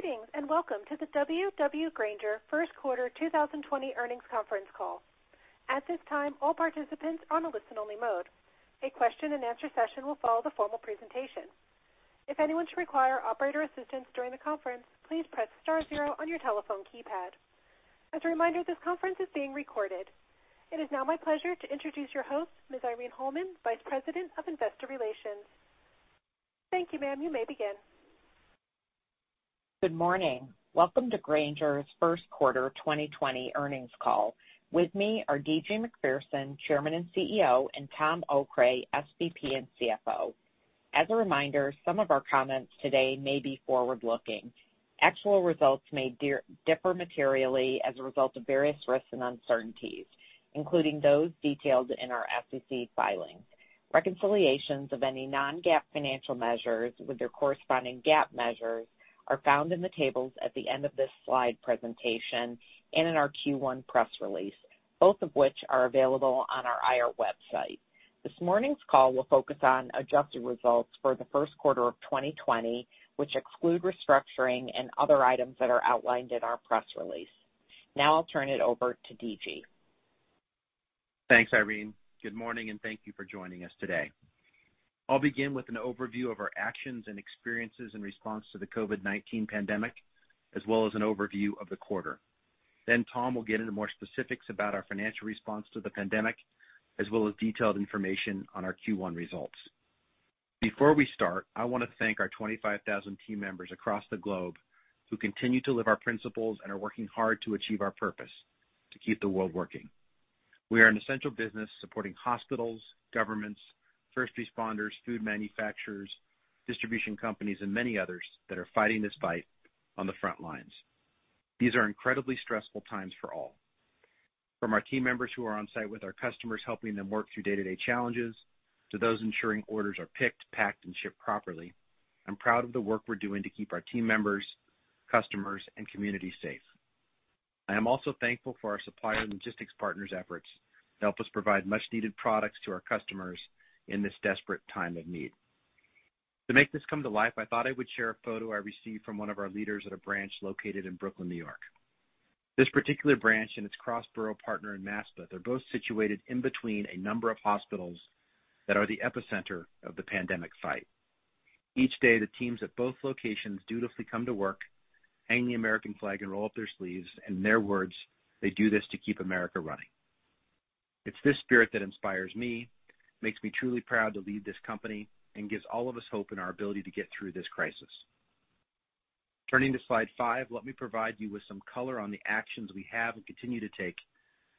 Greetings, welcome to the W.W. Grainger First Quarter 2020 Earnings Conference Call. At this time, all participants are on a listen-only mode. A question-and-answer session will follow the formal presentation. If anyone should require operator assistance during the conference, please press star zero on your telephone keypad. As a reminder, this conference is being recorded. It is now my pleasure to introduce your host, Ms. Irene Holman, Vice President of Investor Relations. Thank you, ma'am. You may begin. Good morning. Welcome to Grainger's first quarter 2020 earnings call. With me are D.G. Macpherson, Chairman and CEO, and Tom Okray, SVP and CFO. As a reminder, some of our comments today may be forward-looking. Actual results may differ materially as a result of various risks and uncertainties, including those detailed in our SEC filings. Reconciliations of any non-GAAP financial measures with their corresponding GAAP measures are found in the tables at the end of this slide presentation and in our Q1 press release, both of which are available on our IR website. This morning's call will focus on adjusted results for the first quarter of 2020, which exclude restructuring and other items that are outlined in our press release. Now I'll turn it over to D.G. Thanks, Irene. Good morning, and thank you for joining us today. I'll begin with an overview of our actions and experiences in response to the COVID-19 pandemic, as well as an overview of the quarter. Tom will get into more specifics about our financial response to the pandemic, as well as detailed information on our Q1 results. Before we start, I want to thank our 25,000 team members across the globe who continue to live our principles and are working hard to achieve our purpose, to keep the world working. We are an essential business supporting hospitals, governments, first responders, food manufacturers, distribution companies, and many others that are fighting this fight on the front lines. These are incredibly stressful times for all. From our team members who are on-site with our customers helping them work through day-to-day challenges, to those ensuring orders are picked, packed, and shipped properly, I'm proud of the work we're doing to keep our team members, customers, and communities safe. I am also thankful for our supplier and logistics partners' efforts to help us provide much-needed products to our customers in this desperate time of need. To make this come to life, I thought I would share a photo I received from one of our leaders at a branch located in Brooklyn, N.Y. This particular branch and its cross-borough partner in Maspeth are both situated in between a number of hospitals that are the epicenter of the pandemic fight. Each day, the teams at both locations dutifully come to work, hang the American flag, and roll up their sleeves. In their words, they do this to keep America running. It's this spirit that inspires me, makes me truly proud to lead this company, and gives all of us hope in our ability to get through this crisis. Turning to slide five, let me provide you with some color on the actions we have and continue to take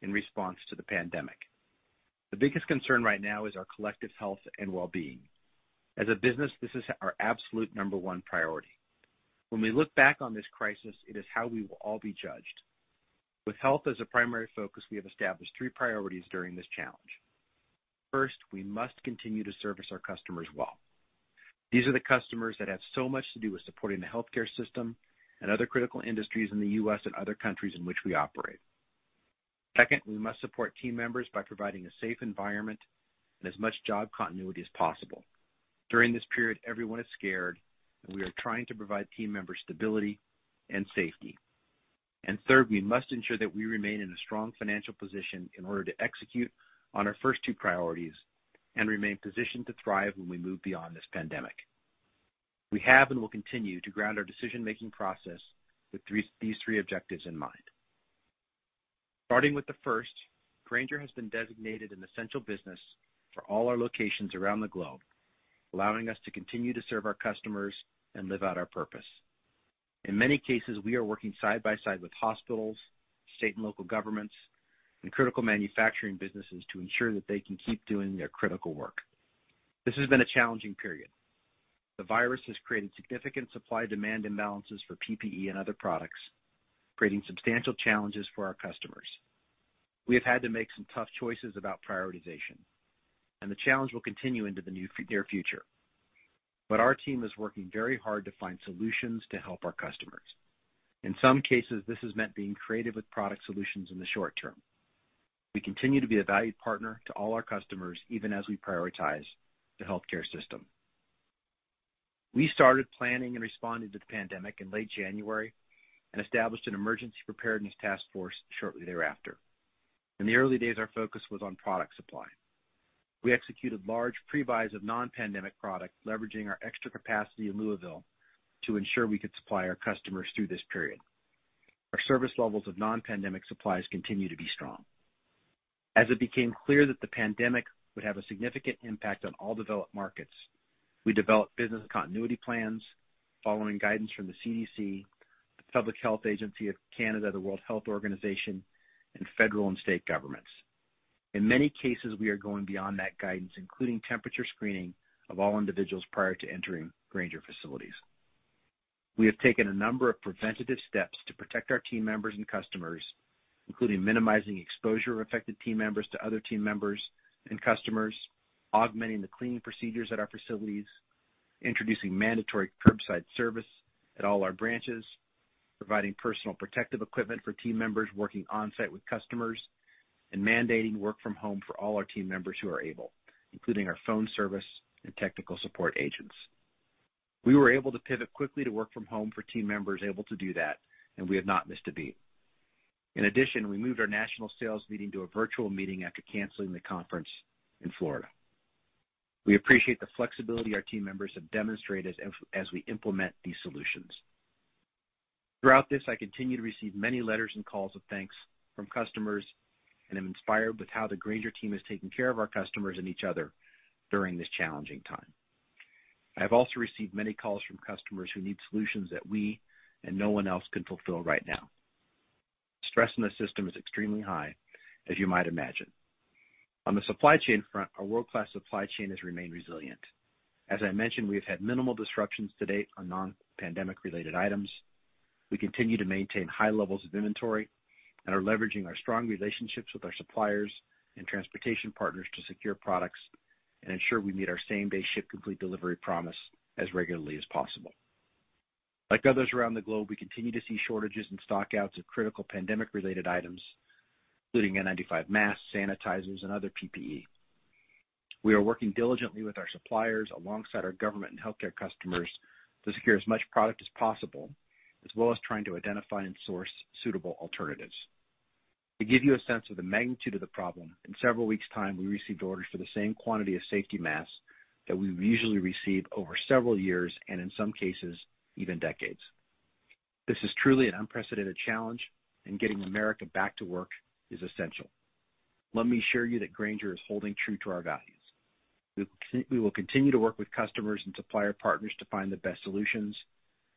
in response to the pandemic. The biggest concern right now is our collective health and well-being. As a business, this is our absolute number one priority. When we look back on this crisis, it is how we will all be judged. With health as a primary focus, we have established three priorities during this challenge. First, we must continue to service our customers well. These are the customers that have so much to do with supporting the healthcare system and other critical industries in the U.S. and other countries in which we operate. Second, we must support team members by providing a safe environment and as much job continuity as possible. During this period, everyone is scared, and we are trying to provide team members stability and safety. Third, we must ensure that we remain in a strong financial position in order to execute on our first two priorities and remain positioned to thrive when we move beyond this pandemic. We have and will continue to ground our decision-making process with these three objectives in mind. Starting with the first, Grainger has been designated an essential business for all our locations around the globe, allowing us to continue to serve our customers and live out our purpose. In many cases, we are working side by side with hospitals, state and local governments, and critical manufacturing businesses to ensure that they can keep doing their critical work. This has been a challenging period. The virus has created significant supply-demand imbalances for PPE and other products, creating substantial challenges for our customers. We have had to make some tough choices about prioritization, and the challenge will continue into the near future. Our team is working very hard to find solutions to help our customers. In some cases, this has meant being creative with product solutions in the short term. We continue to be a valued partner to all our customers, even as we prioritize the healthcare system. We started planning and responding to the pandemic in late January and established an emergency preparedness task force shortly thereafter. In the early days, our focus was on product supply. We executed large pre-buys of non-pandemic product, leveraging our extra capacity in Louisville to ensure we could supply our customers through this period. Our service levels of non-pandemic supplies continue to be strong. As it became clear that the pandemic would have a significant impact on all developed markets, we developed business continuity plans following guidance from the CDC, the Public Health Agency of Canada, the World Health Organization, and federal and state governments. In many cases, we are going beyond that guidance, including temperature screening of all individuals prior to entering Grainger facilities. We have taken a number of preventative steps to protect our team members and customers, including minimizing exposure of affected team members to other team members and customers, augmenting the cleaning procedures at our facilities, introducing mandatory curbside service at all our branches, providing personal protective equipment for team members working on-site with customers and mandating work from home for all our team members who are able, including our phone service and technical support agents. We were able to pivot quickly to work from home for team members able to do that, and we have not missed a beat. In addition, we moved our national sales meeting to a virtual meeting after canceling the conference in Florida. We appreciate the flexibility our team members have demonstrated as we implement these solutions. Throughout this, I continue to receive many letters and calls of thanks from customers. I'm inspired with how the Grainger team has taken care of our customers and each other during this challenging time. I have also received many calls from customers who need solutions that we and no one else can fulfill right now. Stress in the system is extremely high, as you might imagine. On the supply chain front, our world-class supply chain has remained resilient. As I mentioned, we have had minimal disruptions to date on non-pandemic related items. We continue to maintain high levels of inventory and are leveraging our strong relationships with our suppliers and transportation partners to secure products and ensure we meet our same-day ship complete delivery promise as regularly as possible. Like others around the globe, we continue to see shortages and stockouts of critical pandemic related items, including N95 masks, sanitizers, and other PPE. We are working diligently with our suppliers alongside our government and healthcare customers to secure as much product as possible, as well as trying to identify and source suitable alternatives. To give you a sense of the magnitude of the problem, in several weeks' time, we received orders for the same quantity of safety masks that we would usually receive over several years, and in some cases, even decades. This is truly an unprecedented challenge. Getting America back to work is essential. Let me assure you that Grainger is holding true to our values. We will continue to work with customers and supplier partners to find the best solutions.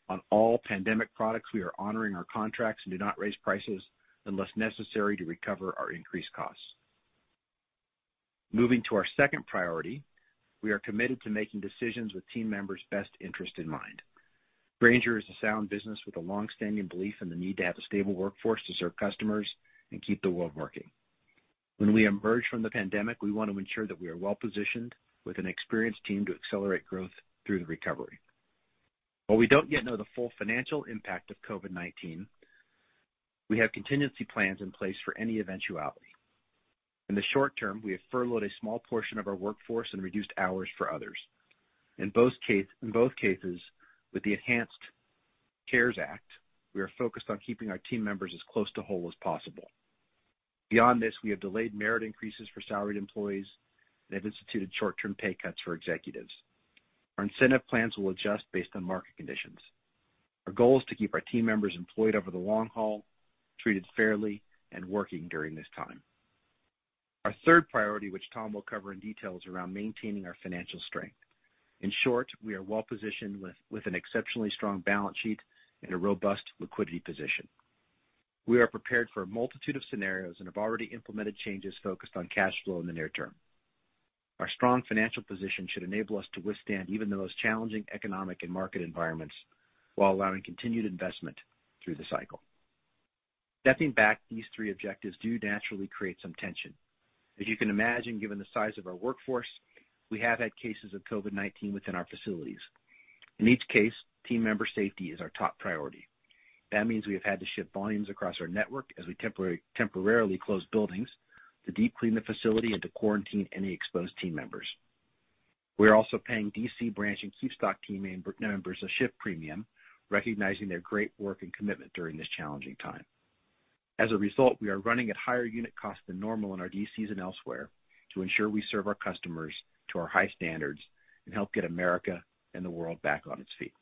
On all pandemic products, we are honoring our contracts and do not raise prices unless necessary to recover our increased costs. Moving to our second priority, we are committed to making decisions with team members' best interest in mind. Grainger is a sound business with a longstanding belief in the need to have a stable workforce to serve customers and keep the world working. When we emerge from the pandemic, we want to ensure that we are well-positioned with an experienced team to accelerate growth through the recovery. While we don't yet know the full financial impact of COVID-19, we have contingency plans in place for any eventuality. In the short term, we have furloughed a small portion of our workforce and reduced hours for others. In both cases, with the enhanced CARES Act, we are focused on keeping our team members as close to whole as possible. Beyond this, we have delayed merit increases for salaried employees and have instituted short-term pay cuts for executives. Our incentive plans will adjust based on market conditions. Our goal is to keep our team members employed over the long haul, treated fairly, and working during this time. Our third priority, which Tom will cover in detail, is around maintaining our financial strength. In short, we are well positioned with an exceptionally strong balance sheet and a robust liquidity position. We are prepared for a multitude of scenarios and have already implemented changes focused on cash flow in the near term. Our strong financial position should enable us to withstand even the most challenging economic and market environments while allowing continued investment through the cycle. Stepping back, these three objectives do naturally create some tension. As you can imagine, given the size of our workforce, we have had cases of COVID-19 within our facilities. In each case, team member safety is our top priority. That means we have had to shift volumes across our network as we temporarily close buildings to deep clean the facility and to quarantine any exposed team members. We are also paying DC branch and keep stock team members a shift premium, recognizing their great work and commitment during this challenging time. As a result, we are running at higher unit costs than normal in our DCs and elsewhere to ensure we serve our customers to our high standards and help get America and the world back on its feet.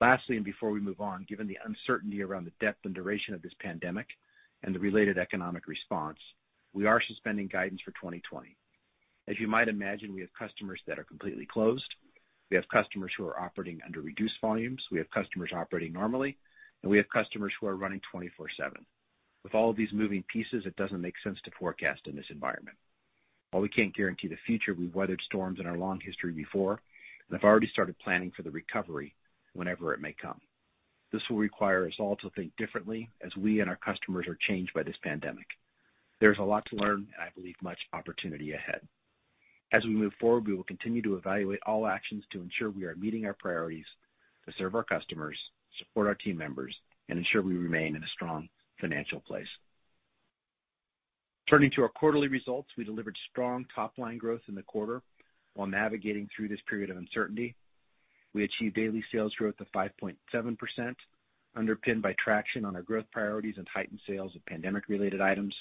Lastly, and before we move on, given the uncertainty around the depth and duration of this pandemic and the related economic response, we are suspending guidance for 2020. As you might imagine, we have customers that are completely closed. We have customers who are operating under reduced volumes. We have customers operating normally, and we have customers who are running 24/7. With all of these moving pieces, it doesn't make sense to forecast in this environment. While we can't guarantee the future, we've weathered storms in our long history before and have already started planning for the recovery, whenever it may come. This will require us all to think differently as we and our customers are changed by this pandemic. There's a lot to learn and I believe much opportunity ahead. As we move forward, we will continue to evaluate all actions to ensure we are meeting our priorities to serve our customers, support our team members, and ensure we remain in a strong financial place. Turning to our quarterly results, we delivered strong top-line growth in the quarter while navigating through this period of uncertainty. We achieved daily sales growth of 5.7%, underpinned by traction on our growth priorities and heightened sales of pandemic-related items.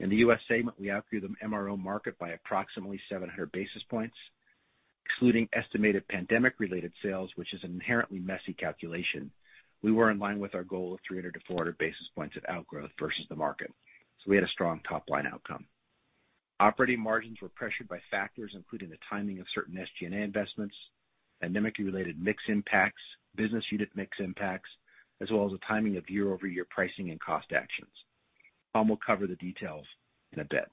In the U.S. segment, we outgrew the MRO market by approximately 700 basis points. Excluding estimated pandemic-related sales, which is an inherently messy calculation, we were in line with our goal of 300-400 basis points of outgrowth versus the market. We had a strong top-line outcome. Operating margins were pressured by factors including the timing of certain SG&A investments, pandemic-related mix impacts, business unit mix impacts, as well as the timing of year-over-year pricing and cost actions. Tom will cover the details in a bit.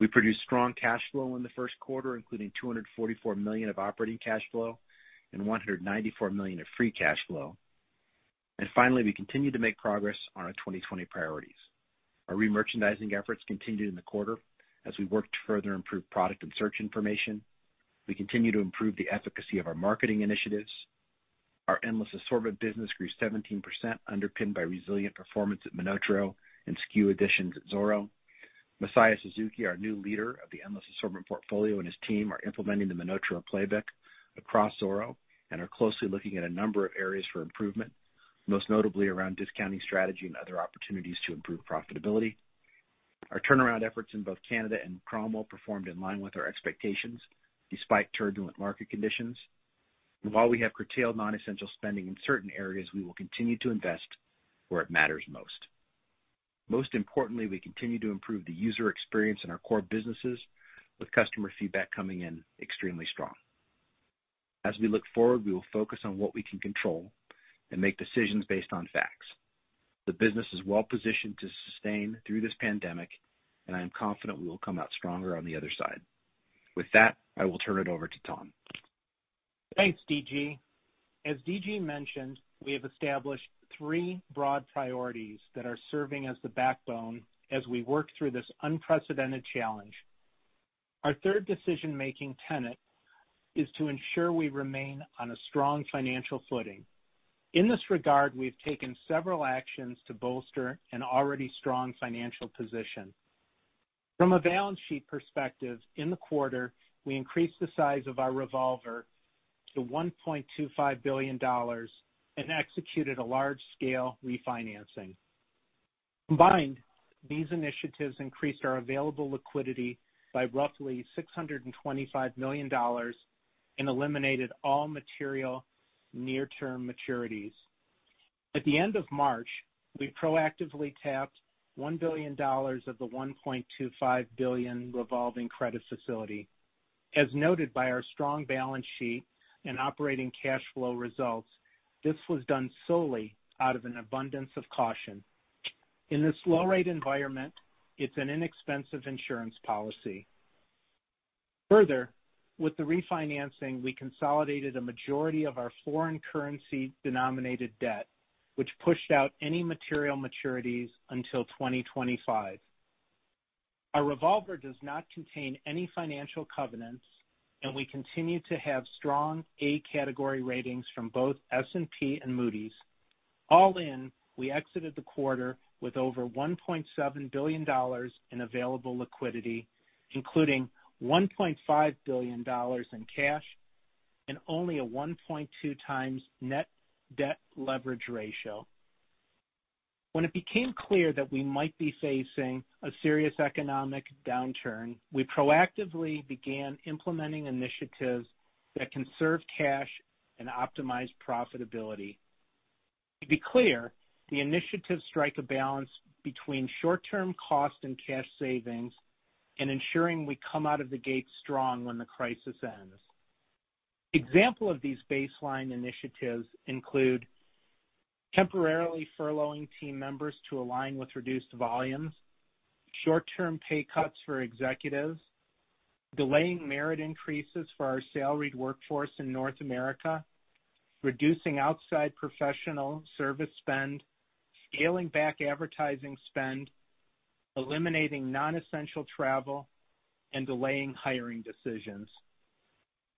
We produced strong cash flow in the first quarter, including $244 million of operating cash flow and $194 million of free cash flow. Finally, we continue to make progress on our 2020 priorities. Our re-merchandising efforts continued in the quarter as we worked to further improve product and search information. We continue to improve the efficacy of our marketing initiatives. Our endless assortment business grew 17%, underpinned by resilient performance at MonotaRO and SKU additions at Zoro. Masaya Suzuki, our new leader of the endless assortment portfolio, and his team are implementing the MonotaRO playbook across Zoro and are closely looking at a number of areas for improvement, most notably around discounting strategy and other opportunities to improve profitability. Our turnaround efforts in both Canada and Cromwell performed in line with our expectations despite turbulent market conditions. While we have curtailed non-essential spending in certain areas, we will continue to invest where it matters most. Most importantly, we continue to improve the user experience in our core businesses, with customer feedback coming in extremely strong. As we look forward, we will focus on what we can control and make decisions based on facts. The business is well-positioned to sustain through this pandemic, and I am confident we will come out stronger on the other side. With that, I will turn it over to Tom. Thanks, D.G. As D.G. mentioned, we have established three broad priorities that are serving as the backbone as we work through this unprecedented challenge. Our third decision-making tenet is to ensure we remain on a strong financial footing. In this regard, we have taken several actions to bolster an already strong financial position. From a balance sheet perspective, in the quarter, we increased the size of our revolver to $1.25 billion and executed a large-scale refinancing. Combined, these initiatives increased our available liquidity by roughly $625 million and eliminated all material near-term maturities. At the end of March, we proactively tapped $1 billion of the $1.25 billion revolving credit facility. As noted by our strong balance sheet and operating cash flow results, this was done solely out of an abundance of caution. In this low-rate environment, it's an inexpensive insurance policy. With the refinancing, we consolidated a majority of our foreign currency-denominated debt, which pushed out any material maturities until 2025. Our revolver does not contain any financial covenants, and we continue to have strong A category ratings from both S&P and Moody's. We exited the quarter with over $1.7 billion in available liquidity, including $1.5 billion in cash and only a 1.2x net debt leverage ratio. When it became clear that we might be facing a serious economic downturn, we proactively began implementing initiatives that conserve cash and optimize profitability. To be clear, the initiatives strike a balance between short-term cost and cash savings and ensuring we come out of the gate strong when the crisis ends. Example of these baseline initiatives include temporarily furloughing team members to align with reduced volumes, short-term pay cuts for executives, delaying merit increases for our salaried workforce in North America, reducing outside professional service spend, scaling back advertising spend, eliminating non-essential travel, and delaying hiring decisions.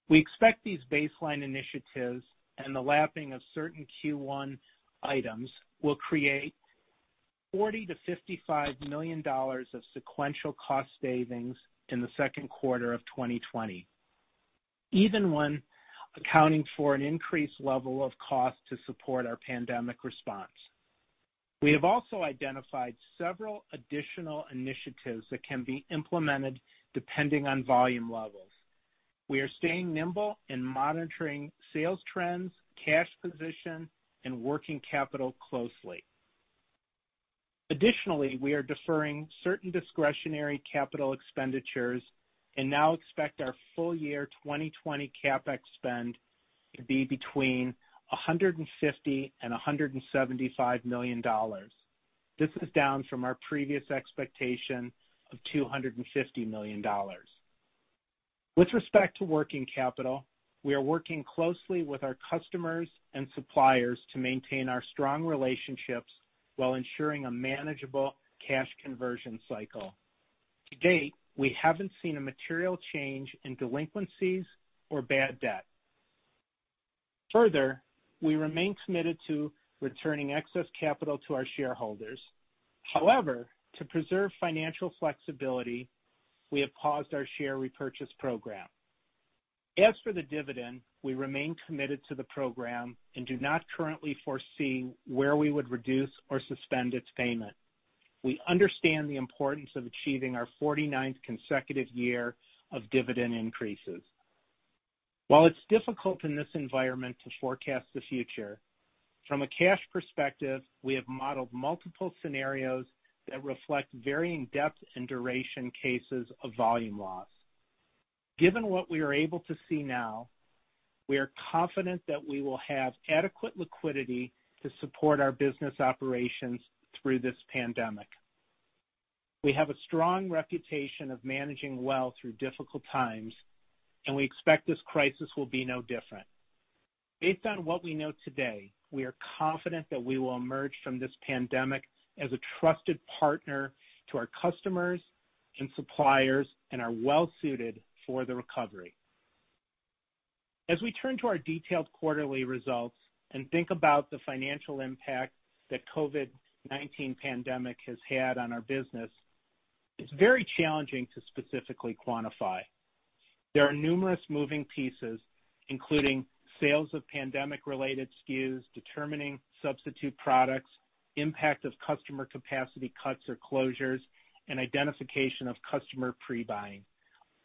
We expect these baseline initiatives and the lapping of certain Q1 items will create $40 million-$55 million of sequential cost savings in the second quarter of 2020, even when accounting for an increased level of cost to support our pandemic response. We have also identified several additional initiatives that can be implemented depending on volume levels. We are staying nimble in monitoring sales trends, cash position, and working capital closely. Additionally, we are deferring certain discretionary capital expenditures and now expect our full year 2020 CapEx spend to be between $150 million and $175 million. This is down from our previous expectation of $250 million. With respect to working capital, we are working closely with our customers and suppliers to maintain our strong relationships while ensuring a manageable cash conversion cycle. To date, we haven't seen a material change in delinquencies or bad debt. Further, we remain committed to returning excess capital to our shareholders. However, to preserve financial flexibility, we have paused our share repurchase program. As for the dividend, we remain committed to the program and do not currently foresee where we would reduce or suspend its payment. We understand the importance of achieving our 49th consecutive year of dividend increases. While it's difficult in this environment to forecast the future, from a cash perspective, we have modeled multiple scenarios that reflect varying depth and duration cases of volume loss. Given what we are able to see now, we are confident that we will have adequate liquidity to support our business operations through this pandemic. We have a strong reputation of managing well through difficult times, and we expect this crisis will be no different. Based on what we know today, we are confident that we will emerge from this pandemic as a trusted partner to our customers and suppliers and are well-suited for the recovery. As we turn to our detailed quarterly results and think about the financial impact that COVID-19 pandemic has had on our business, it's very challenging to specifically quantify. There are numerous moving pieces, including sales of pandemic-related SKUs, determining substitute products, impact of customer capacity cuts or closures, and identification of customer pre-buying.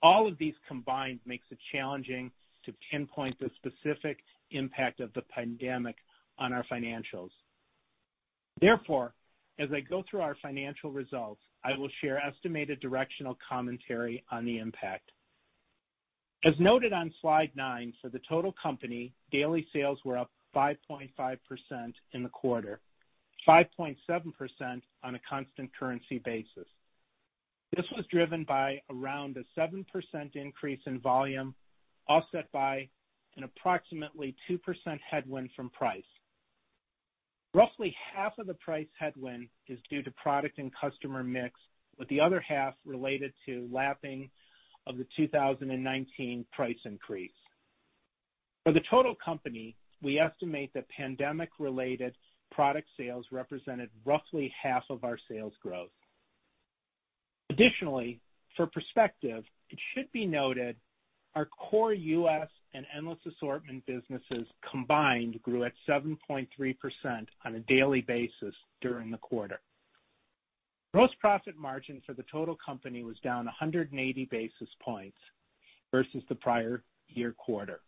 All of these combined makes it challenging to pinpoint the specific impact of the pandemic on our financials. Therefore, as I go through our financial results, I will share estimated directional commentary on the impact. As noted on slide nine, for the total company, daily sales were up 5.5% in the quarter, 5.7% on a constant currency basis. This was driven by around a 7% increase in volume, offset by an approximately 2% headwind from price. Roughly half of the price headwind is due to product and customer mix, with the other half related to lapping of the 2019 price increase. For the total company, we estimate that pandemic-related product sales represented roughly half of our sales growth. Additionally, for perspective, it should be noted our core U.S. and Endless Assortment businesses combined grew at 7.3% on a daily basis during the quarter. Gross profit margin for the total company was down 180 basis points versus the prior year quarter.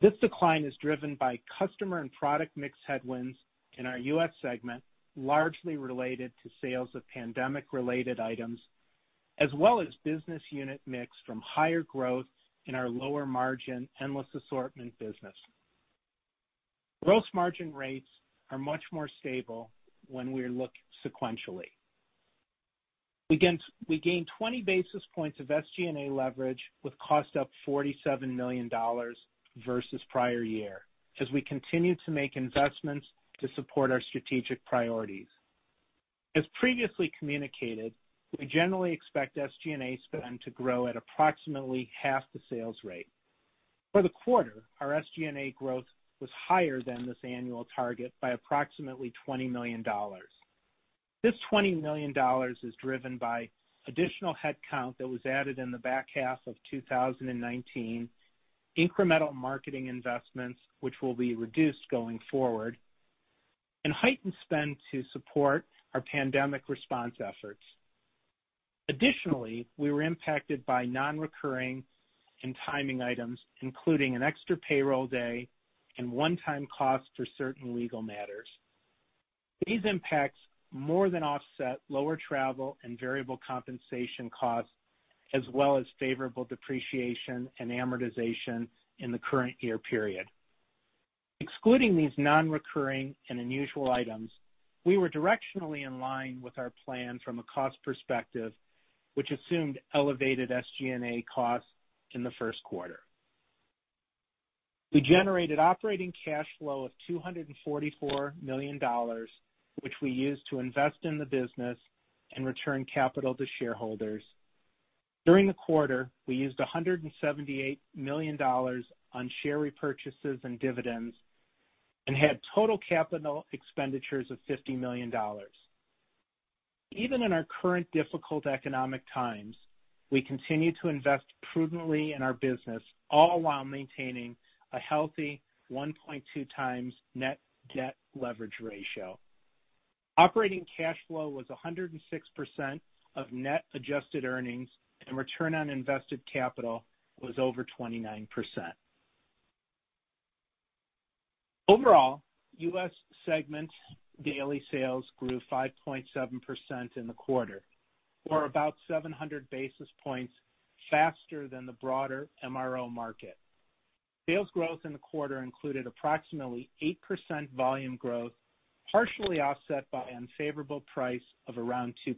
This decline is driven by customer and product mix headwinds in our U.S. segment, largely related to sales of pandemic-related items, as well as business unit mix from higher growth in our lower margin, Endless Assortment business. Gross margin rates are much more stable when we look sequentially. We gained 20 basis points of SG&A leverage with cost up $47 million versus prior year, as we continue to make investments to support our strategic priorities. As previously communicated, we generally expect SG&A spend to grow at approximately half the sales rate. For the quarter, our SG&A growth was higher than this annual target by approximately $20 million. This $20 million is driven by additional headcount that was added in the back half of 2019, incremental marketing investments, which will be reduced going forward, and heightened spend to support our pandemic response efforts. Additionally, we were impacted by non-recurring and timing items, including an extra payroll day and one-time cost for certain legal matters. These impacts more than offset lower travel and variable compensation costs, as well as favorable depreciation and amortization in the current year period. Excluding these non-recurring and unusual items, we were directionally in line with our plan from a cost perspective, which assumed elevated SG&A costs in the first quarter. We generated operating cash flow of $244 million, which we used to invest in the business and return capital to shareholders. During the quarter, we used $178 million on share repurchases and dividends and had total capital expenditures of $50 million. Even in our current difficult economic times, we continue to invest prudently in our business, all while maintaining a healthy 1.2x net debt leverage ratio. Operating cash flow was 106% of net adjusted earnings, and return on invested capital was over 29%. Overall, U.S. segment daily sales grew 5.7% in the quarter or about 700 basis points faster than the broader MRO market. Sales growth in the quarter included approximately 8% volume growth, partially offset by unfavorable price of around 2%.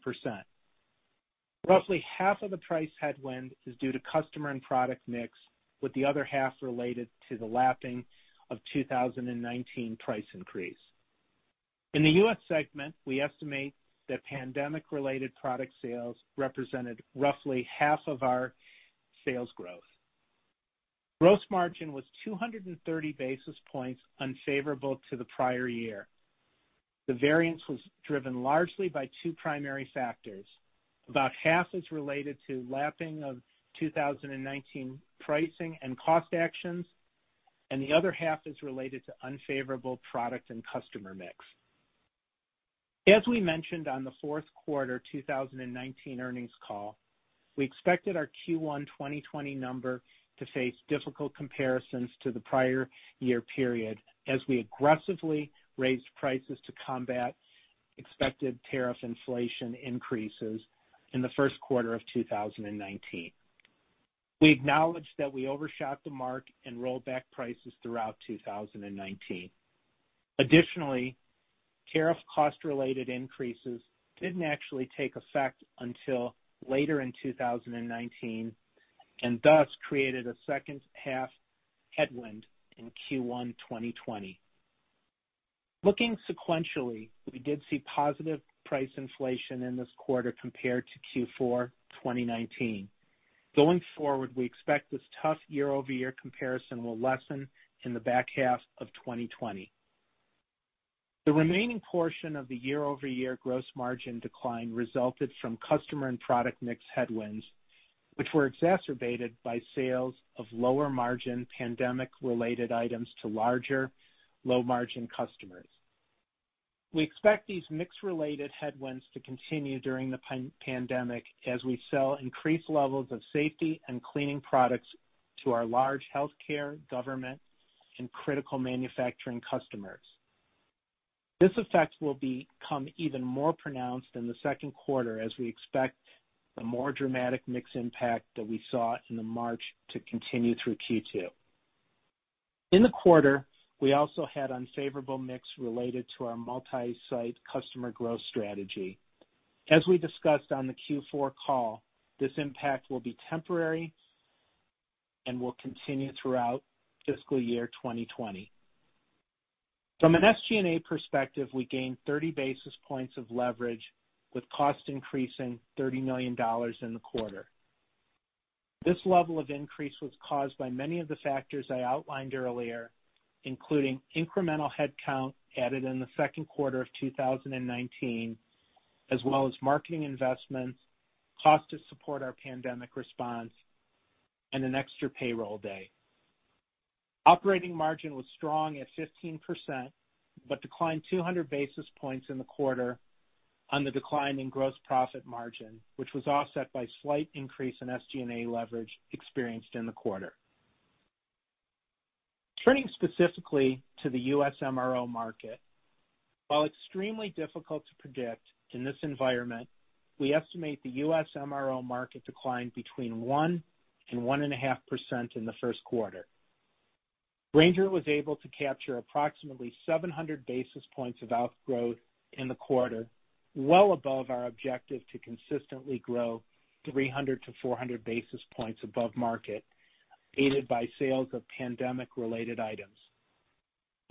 Roughly half of the price headwind is due to customer and product mix, with the other half related to the lapping of 2019 price increase. In the U.S. segment, we estimate that pandemic-related product sales represented roughly half of our sales growth. Gross margin was 230 basis points unfavorable to the prior year. The variance was driven largely by two primary factors. About half is related to lapping of 2019 pricing and cost actions, and the other half is related to unfavorable product and customer mix. As we mentioned on the fourth quarter 2019 earnings call, we expected our Q1 2020 number to face difficult comparisons to the prior year period, as we aggressively raised prices to combat expected tariff inflation increases in the first quarter of 2019. We acknowledge that we overshot the mark and rolled back prices throughout 2019. Additionally, tariff cost related increases didn't actually take effect until later in 2019, and thus created a second half headwind in Q1 2020. Looking sequentially, we did see positive price inflation in this quarter compared to Q4 2019. Going forward, we expect this tough year-over-year comparison will lessen in the back half of 2020. The remaining portion of the year-over-year gross margin decline resulted from customer and product mix headwinds, which were exacerbated by sales of lower margin pandemic related items to larger, low margin customers. We expect these mix related headwinds to continue during the pandemic as we sell increased levels of safety and cleaning products to our large healthcare, government, and critical manufacturing customers. This effect will become even more pronounced in the second quarter, as we expect the more dramatic mix impact that we saw in March to continue through Q2. In the quarter, we also had unfavorable mix related to our multi-site customer growth strategy. As we discussed on the Q4 call, this impact will be temporary and will continue throughout fiscal year 2020. From an SG&A perspective, we gained 30 basis points of leverage with cost increasing $30 million in the quarter. This level of increase was caused by many of the factors I outlined earlier, including incremental headcount added in the second quarter of 2019, as well as marketing investments, cost to support our pandemic response, and an extra payroll day. Operating margin was strong at 15%, but declined 200 basis points in the quarter on the decline in gross profit margin, which was offset by slight increase in SG&A leverage experienced in the quarter. Turning specifically to the U.S. MRO market. While extremely difficult to predict in this environment, we estimate the U.S. MRO market declined between 1% and 1.5% in the first quarter. Grainger was able to capture approximately 700 basis points of outgrowth in the quarter, well above our objective to consistently grow 300-400 basis points above market, aided by sales of pandemic related items.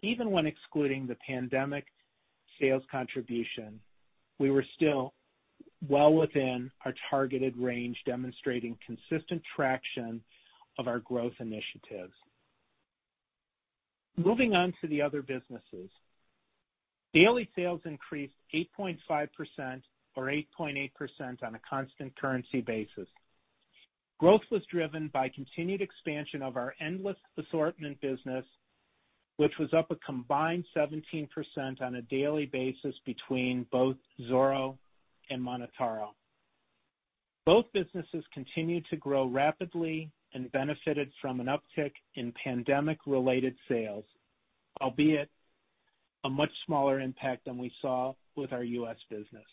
Even when excluding the pandemic sales contribution, we were still well within our targeted range, demonstrating consistent traction of our growth initiatives. Moving on to the other businesses. Daily sales increased 8.5%, or 8.8% on a constant currency basis. Growth was driven by continued expansion of our endless assortment business, which was up a combined 17% on a daily basis between both Zoro and MonotaRO. Both businesses continued to grow rapidly and benefited from an uptick in pandemic related sales, albeit a much smaller impact than we saw with our U.S. business.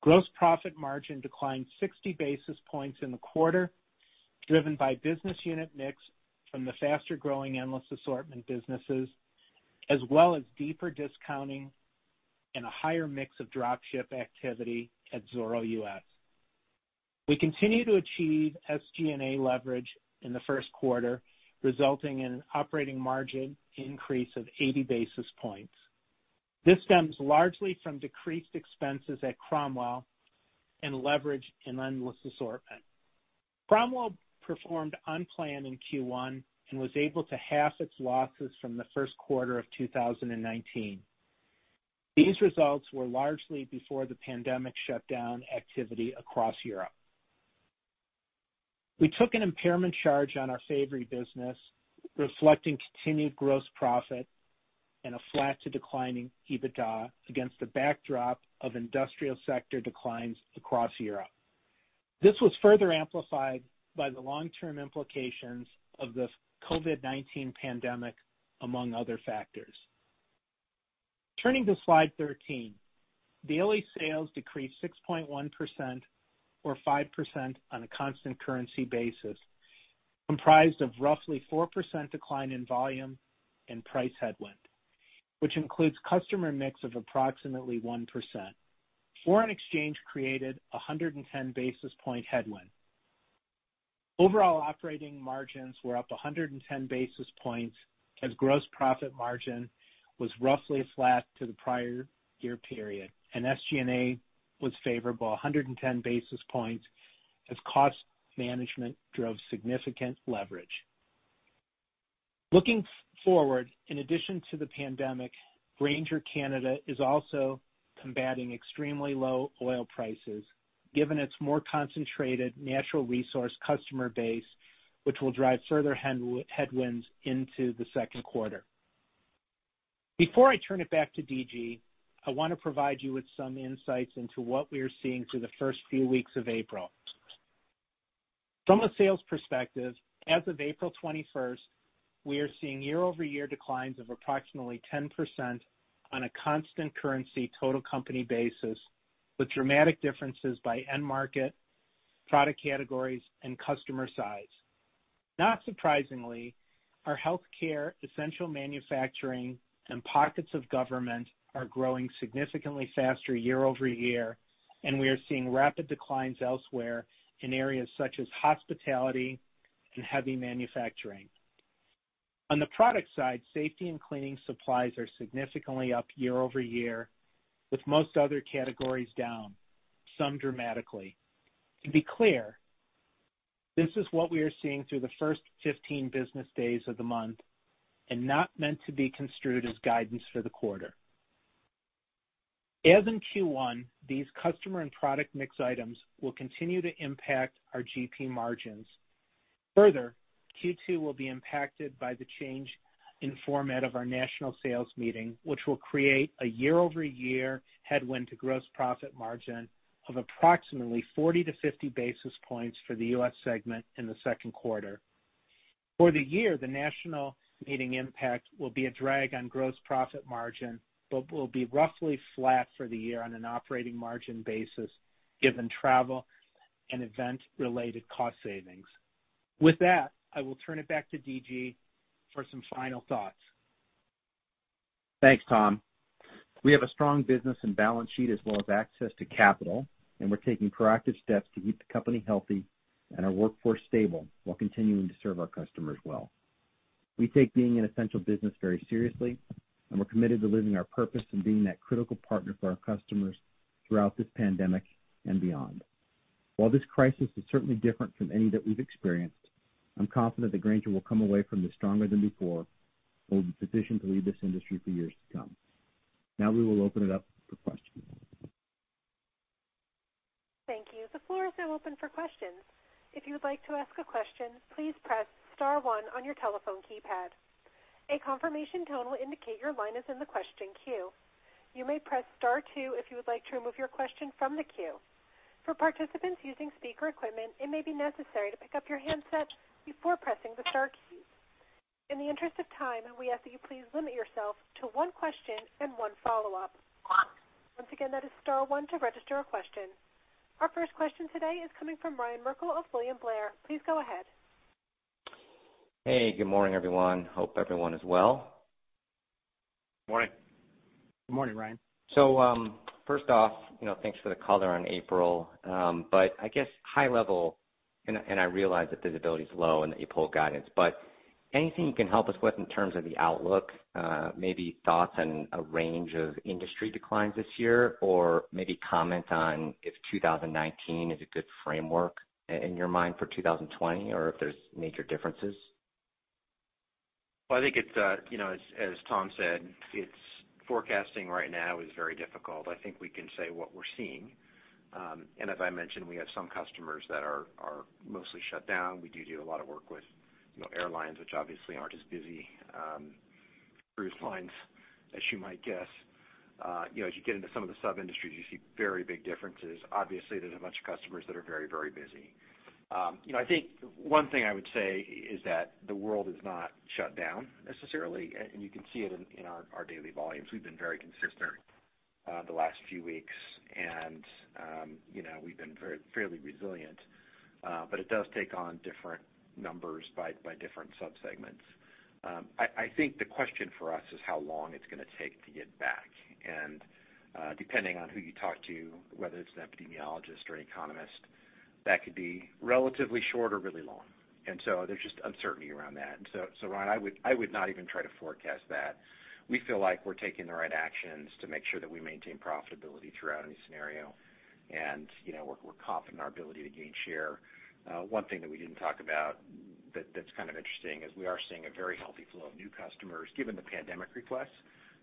Gross profit margin declined 60 basis points in the quarter, driven by business unit mix from the faster-growing endless assortment businesses, as well as deeper discounting and a higher mix of drop ship activity at Zoro U.S. We continue to achieve SG&A leverage in the first quarter, resulting in an operating margin increase of 80 basis points. This stems largely from decreased expenses at Cromwell and leverage in Endless Assortment. Cromwell performed unplanned in Q1 and was able to halve its losses from the first quarter of 2019. These results were largely before the pandemic shutdown activity across Europe. We took an impairment charge on our Fabory business, reflecting continued gross profit and a flat to declining EBITDA against the backdrop of industrial sector declines across Europe. This was further amplified by the long-term implications of the COVID-19 pandemic, among other factors. Turning to slide 13. Daily sales decreased 6.1%, or 5% on a constant currency basis, comprised of roughly 4% decline in volume and price headwind, which includes customer mix of approximately 1%. Foreign exchange created 110 basis point headwind. Overall operating margins were up 110 basis points as gross profit margin was roughly flat to the prior year period. SG&A was favorable 110 basis points as cost management drove significant leverage. Looking forward, in addition to the pandemic, Grainger Canada is also combating extremely low oil prices, given its more concentrated natural resource customer base, which will drive further headwinds into the second quarter. Before I turn it back to D.G., I want to provide you with some insights into what we are seeing through the first few weeks of April. From a sales perspective, as of April 21st. We are seeing year-over-year declines of approximately 10% on a constant currency total company basis, with dramatic differences by end market, product categories, and customer size. Not surprisingly, our healthcare, essential manufacturing, and pockets of government are growing significantly faster year-over-year, and we are seeing rapid declines elsewhere in areas such as hospitality and heavy manufacturing. On the product side, safety and cleaning supplies are significantly up year-over-year, with most other categories down, some dramatically. To be clear, this is what we are seeing through the first 15 business days of the month and not meant to be construed as guidance for the quarter. As in Q1, these customer and product mix items will continue to impact our GP margins. Q2 will be impacted by the change in format of our national sales meeting, which will create a year-over-year headwind to gross profit margin of approximately 40-50 basis points for the U.S. segment in the second quarter. For the year, the national meeting impact will be a drag on gross profit margin, but will be roughly flat for the year on an operating margin basis given travel and event-related cost savings. With that, I will turn it back to D.G. for some final thoughts. Thanks, Tom. We have a strong business and balance sheet as well as access to capital, we're taking proactive steps to keep the company healthy and our workforce stable while continuing to serve our customers well. We take being an essential business very seriously, we're committed to living our purpose and being that critical partner for our customers throughout this pandemic and beyond. While this crisis is certainly different from any that we've experienced, I'm confident that Grainger will come away from this stronger than before and will be positioned to lead this industry for years to come. Now, we will open it up for questions. Thank you. The floor is now open for questions. If you would like to ask a question, please press star one on your telephone keypad. A confirmation tone will indicate your line is in the question queue. You may press star two if you would like to remove your question from the queue. For participants using speaker equipment, it may be necessary to pick up your handset before pressing the star key. In the interest of time, we ask that you please limit yourself to one question and one follow-up. Once again, that is star one to register a question. Our first question today is coming from Ryan Merkel of William Blair. Please go ahead. Hey, good morning, everyone. Hope everyone is well. Morning. Good morning, Ryan. First off, thanks for the color on April. I guess, high level, and I realize that visibility is low in the April guidance, but anything you can help us with in terms of the outlook, maybe thoughts and a range of industry declines this year, or maybe comment on if 2019 is a good framework in your mind for 2020, or if there's major differences? Well, I think as Tom said, forecasting right now is very difficult. I think we can say what we're seeing. As I mentioned, we have some customers that are mostly shut down. We do a lot of work with airlines, which obviously aren't as busy. Cruise lines, as you might guess. As you get into some of the sub-industries, you see very big differences. Obviously, there's a bunch of customers that are very busy. I think one thing I would say is that the world is not shut down necessarily, and you can see it in our daily volumes. We've been very consistent the last few weeks, and we've been fairly resilient. It does take on different numbers by different sub-segments. I think the question for us is how long it's going to take to get back, and depending on who you talk to, whether it's an epidemiologist or an economist, that could be relatively short or really long. There's just uncertainty around that. Ryan, I would not even try to forecast that. We feel like we're taking the right actions to make sure that we maintain profitability throughout any scenario. We're confident in our ability to gain share. One thing that we didn't talk about that's kind of interesting is we are seeing a very healthy flow of new customers, given the pandemic requests,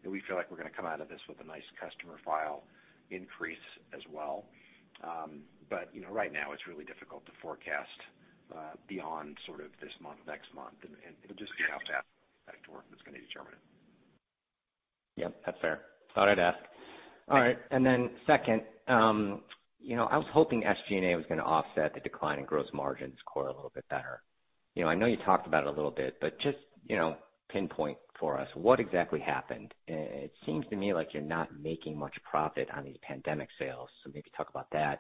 that we feel like we're going to come out of this with a nice customer file increase as well. Right now, it's really difficult to forecast beyond this month, next month, and you'll just have to ask back to work that's going to determine it. Yep, that's fair. Thought I'd ask. All right. Second, I was hoping SG&A was going to offset the decline in gross margins core a little bit better. I know you talked about it a little bit, but just pinpoint for us, what exactly happened? It seems to me like you're not making much profit on these pandemic sales, so maybe talk about that.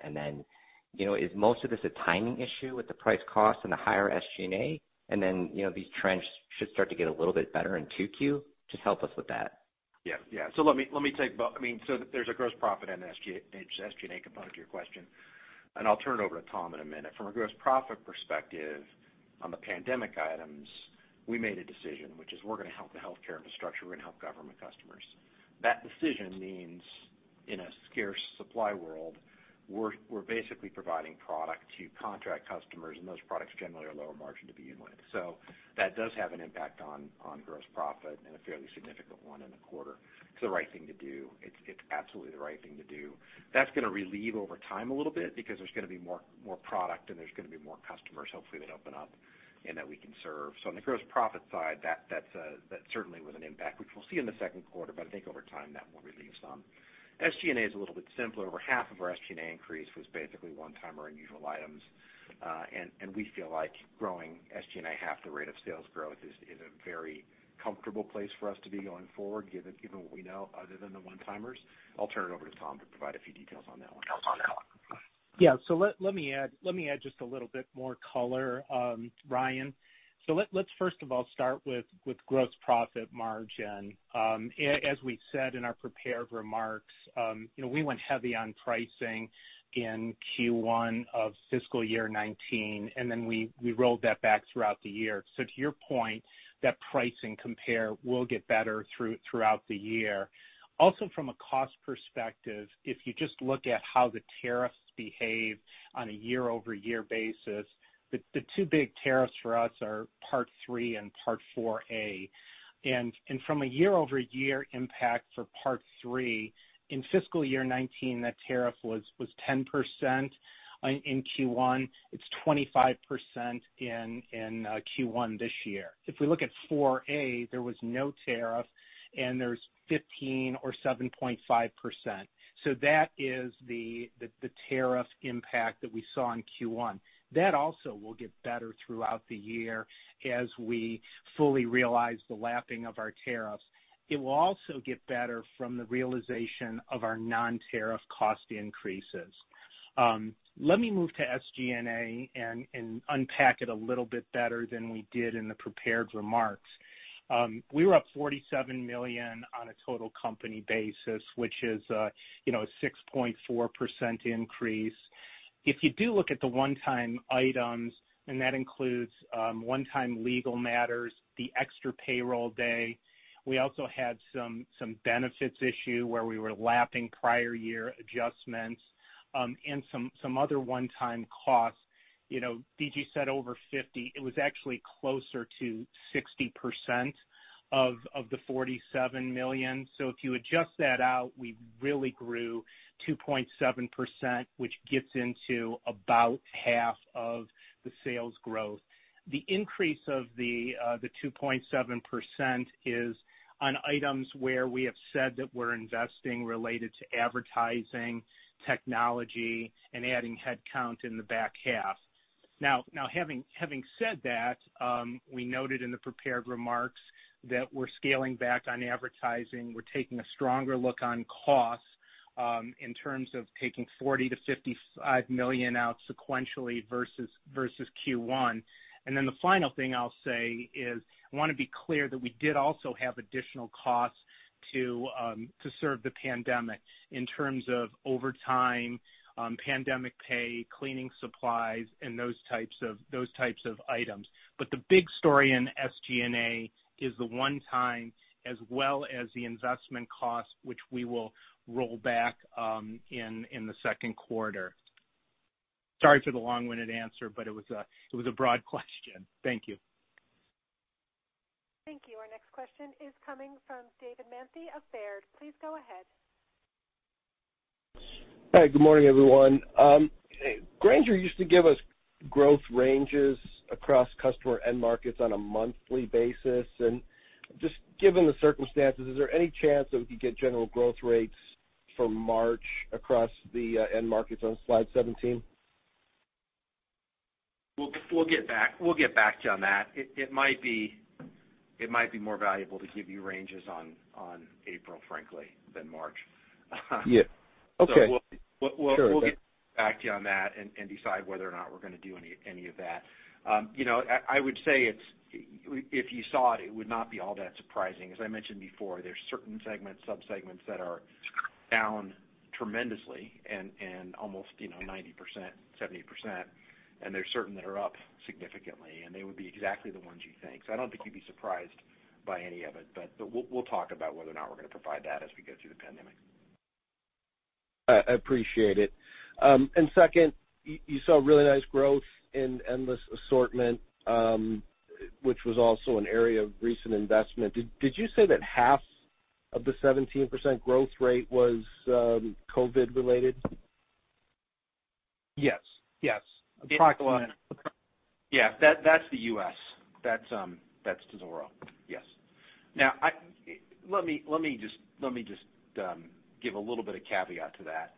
Is most of this a timing issue with the price cost and the higher SG&A, and then these trends should start to get a little bit better in 2Q? Just help us with that. Yeah. Let me take both. There's a gross profit and SG&A component to your question, and I'll turn it over to Tom in a minute. From a gross profit perspective on the pandemic items, we made a decision, which is we're going to help the healthcare infrastructure, we're going to help government customers. That decision means in a scarce supply world, we're basically providing product to contract customers, and those products generally are lower margin to begin with. That does have an impact on gross profit and a fairly significant one in the quarter. It's the right thing to do. It's absolutely the right thing to do. That's going to relieve over time a little bit because there's going to be more product and there's going to be more customers, hopefully, that open up and that we can serve. On the gross profit side, that certainly was an impact, which we'll see in the second quarter, but I think over time, that will relieve some. SG&A is a little bit simpler. Over half of our SG&A increase was basically one-time or unusual items. And we feel like growing SG&A half the rate of sales growth is a very comfortable place for us to be going forward, given what we know, other than the one-timers. I'll turn it over to Tom to provide a few details on that one. Yeah. Let me add just a little bit more color, Ryan. Let's first of all start with gross profit margin. As we said in our prepared remarks, we went heavy on pricing in Q1 of fiscal year 2019, and then we rolled that back throughout the year. To your point, that pricing compare will get better throughout the year. Also, from a cost perspective, if you just look at how the tariffs behave on a year-over-year basis, the two big tariffs for us are List 3 and List 4A. From a year-over-year impact for List 3, in fiscal year 2019, that tariff was 10% in Q1. It's 25% in Q1 this year. If we look at 4A, there was no tariff, and there's 15% or 7.5%. That is the tariff impact that we saw in Q1. That also will get better throughout the year as we fully realize the lapping of our tariffs. It will also get better from the realization of our non-tariff cost increases. Let me move to SG&A and unpack it a little bit better than we did in the prepared remarks. We were up $47 million on a total company basis, which is a 6.4% increase. If you do look at the one-time items, and that includes one-time legal matters, the extra payroll day. We also had some benefits issue where we were lapping prior year adjustments, and some other one-time costs. D.G. said over 50%. It was actually closer to 60% of the $47 million. If you adjust that out, we really grew 2.7%, which gets into about half of the sales growth. The increase of the 2.7% is on items where we have said that we're investing related to advertising, technology, and adding headcount in the back half. Having said that, we noted in the prepared remarks that we're scaling back on advertising. We're taking a stronger look on costs in terms of taking $40 million-$55 million out sequentially versus Q1. The final thing I'll say is, I want to be clear that we did also have additional costs to serve the pandemic in terms of overtime, pandemic pay, cleaning supplies, and those types of items. The big story in SG&A is the one-time as well as the investment cost, which we will roll back in the second quarter. Sorry for the long-winded answer, it was a broad question. Thank you. Thank you. Our next question is coming from David Manthey of Baird. Please go ahead. Hi. Good morning, everyone. Grainger used to give us growth ranges across customer end markets on a monthly basis. Just given the circumstances, is there any chance that we could get general growth rates for March across the end markets on slide 17? We'll get back to you on that. It might be more valuable to give you ranges on April, frankly, than March. Yeah. Okay. Sure. We'll get back to you on that and decide whether or not we're going to do any of that. I would say, if you saw it would not be all that surprising. As I mentioned before, there's certain segments, sub-segments that are down tremendously and almost 90%, 70%. There's certain that are up significantly, and they would be exactly the ones you think. I don't think you'd be surprised by any of it, but we'll talk about whether or not we're going to provide that as we go through the pandemic. Appreciate it. Second, you saw really nice growth in Endless Assortment, which was also an area of recent investment. Did you say that half of the 17% growth rate was COVID-19 related? Yes. Yes. That's the U.S. That's to Zoro. Yes. Let me just give a little bit of caveat to that.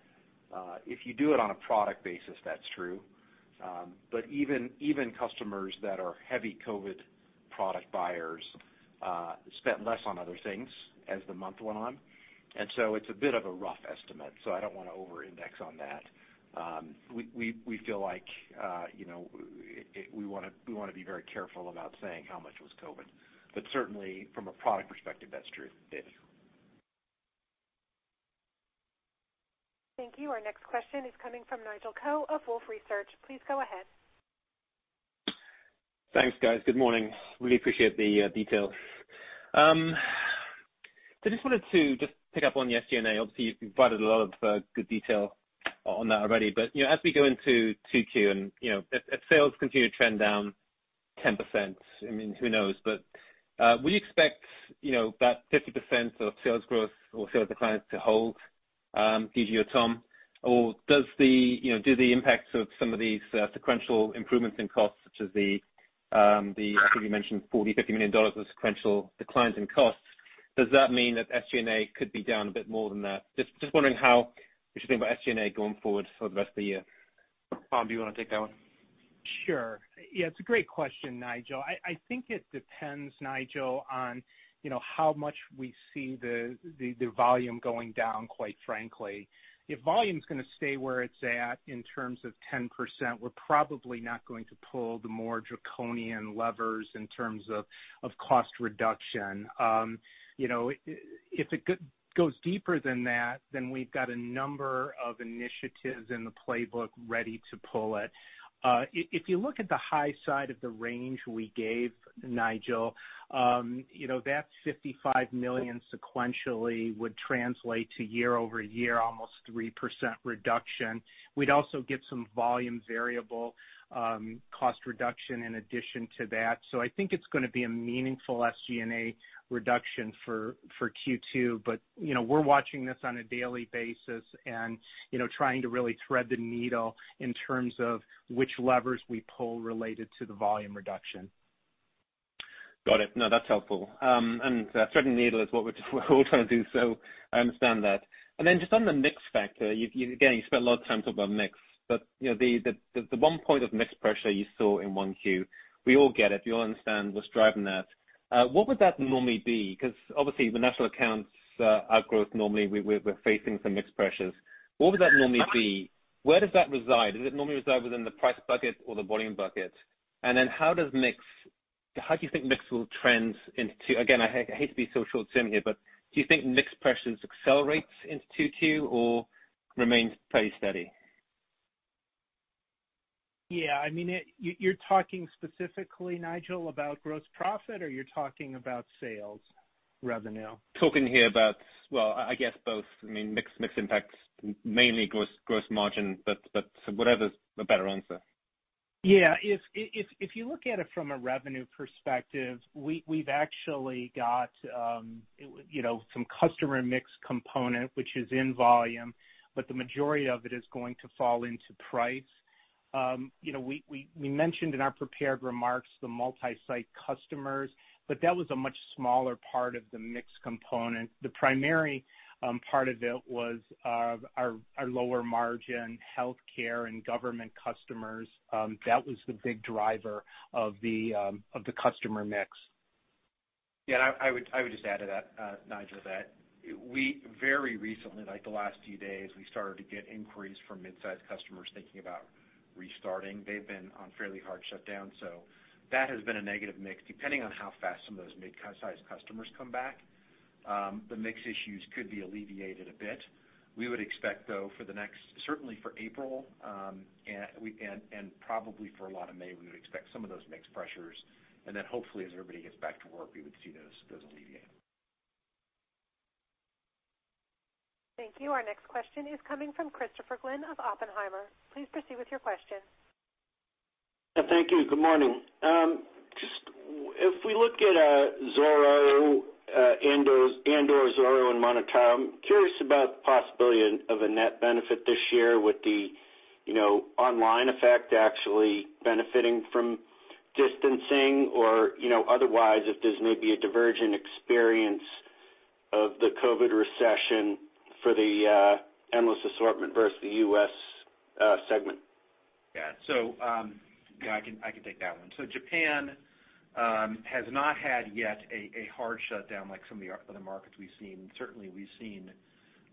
If you do it on a product basis, that's true. Even customers that are heavy COVID product buyers spent less on other things as the month went on. It's a bit of a rough estimate, so I don't want to over-index on that. We feel like we want to be very careful about saying how much was COVID, but certainly from a product perspective, that's true. It is. Thank you. Our next question is coming from Nigel Coe of Wolfe Research. Please go ahead. Thanks, guys. Good morning. Really appreciate the details. I just wanted to pick up on the SG&A. Obviously, you've provided a lot of good detail on that already. As we go into 2Q and if sales continue to trend down 10%, who knows? Would you expect that 50% of sales growth or sales declines to hold, D.G. or Tom? Do the impacts of some of these sequential improvements in costs, such as the, I think you mentioned $40 million-$50 million of sequential declines in costs? Does that mean that SG&A could be down a bit more than that? Just wondering how we should think about SG&A going forward for the rest of the year. Tom, do you want to take that one? Sure. Yeah, it's a great question, Nigel. I think it depends, Nigel, on how much we see the volume going down, quite frankly. If volume's going to stay where it's at in terms of 10%, we're probably not going to pull the more draconian levers in terms of cost reduction. If it goes deeper than that, then we've got a number of initiatives in the playbook ready to pull it. If you look at the high side of the range we gave, Nigel, that $55 million sequentially would translate to year-over-year, almost 3% reduction. We'd also get some volume variable cost reduction in addition to that. I think it's going to be a meaningful SG&A reduction for Q2. We're watching this on a daily basis and trying to really thread the needle in terms of which levers we pull related to the volume reduction. Got it. No, that's helpful. Threading the needle is what we're all trying to do. I understand that. Just on the mix factor, again, you spent a lot of time talking about mix. The one point of mix pressure you saw in 1Q, we all get it. We all understand what's driving that. What would that normally be? Obviously the National Accounts outgrowth, normally, we're facing some mix pressures. What would that normally be? Where does that reside? Does it normally reside within the price bucket or the volume bucket? How do you think mix will trend into, again, I hate to be so short-term here? Do you think mix pressures accelerates into 2Q or remains pretty steady? Yeah. You're talking specifically, Nigel, about gross profit, or you're talking about sales revenue? Talking here about, well, I guess both. Mix impacts mainly gross margin. Whatever's the better answer. Yeah. If you look at it from a revenue perspective, we've actually got some customer mix component, which is in volume, but the majority of it is going to fall into price. We mentioned in our prepared remarks the multi-site customers, but that was a much smaller part of the mix component. The primary part of it was our lower margin healthcare and government customers. That was the big driver of the customer mix. Yeah, I would just add to that, Nigel, that we very recently, like the last few days, we started to get inquiries from mid-sized customers thinking about restarting. They've been on fairly hard shutdown. That has been a negative mix. Depending on how fast some of those mid-sized customers come back, the mix issues could be alleviated a bit. We would expect, though, for the next, certainly for April, and probably for a lot of May, we would expect some of those mix pressures. Hopefully, as everybody gets back to work, we would see those alleviate. Thank you. Our next question is coming from Christopher Glynn of Oppenheimer. Please proceed with your question. Thank you. Good morning. Just if we look at Zoro and/or Zoro and MonotaRO, I'm curious about the possibility of a net benefit this year with the online effect actually benefiting from distancing, or otherwise, if this may be a divergent experience of the COVID-19 recession for the endless assortment versus the U.S. segment. Yeah. I can take that one. Japan has not had yet a hard shutdown like some of the other markets we've seen. Certainly, we've seen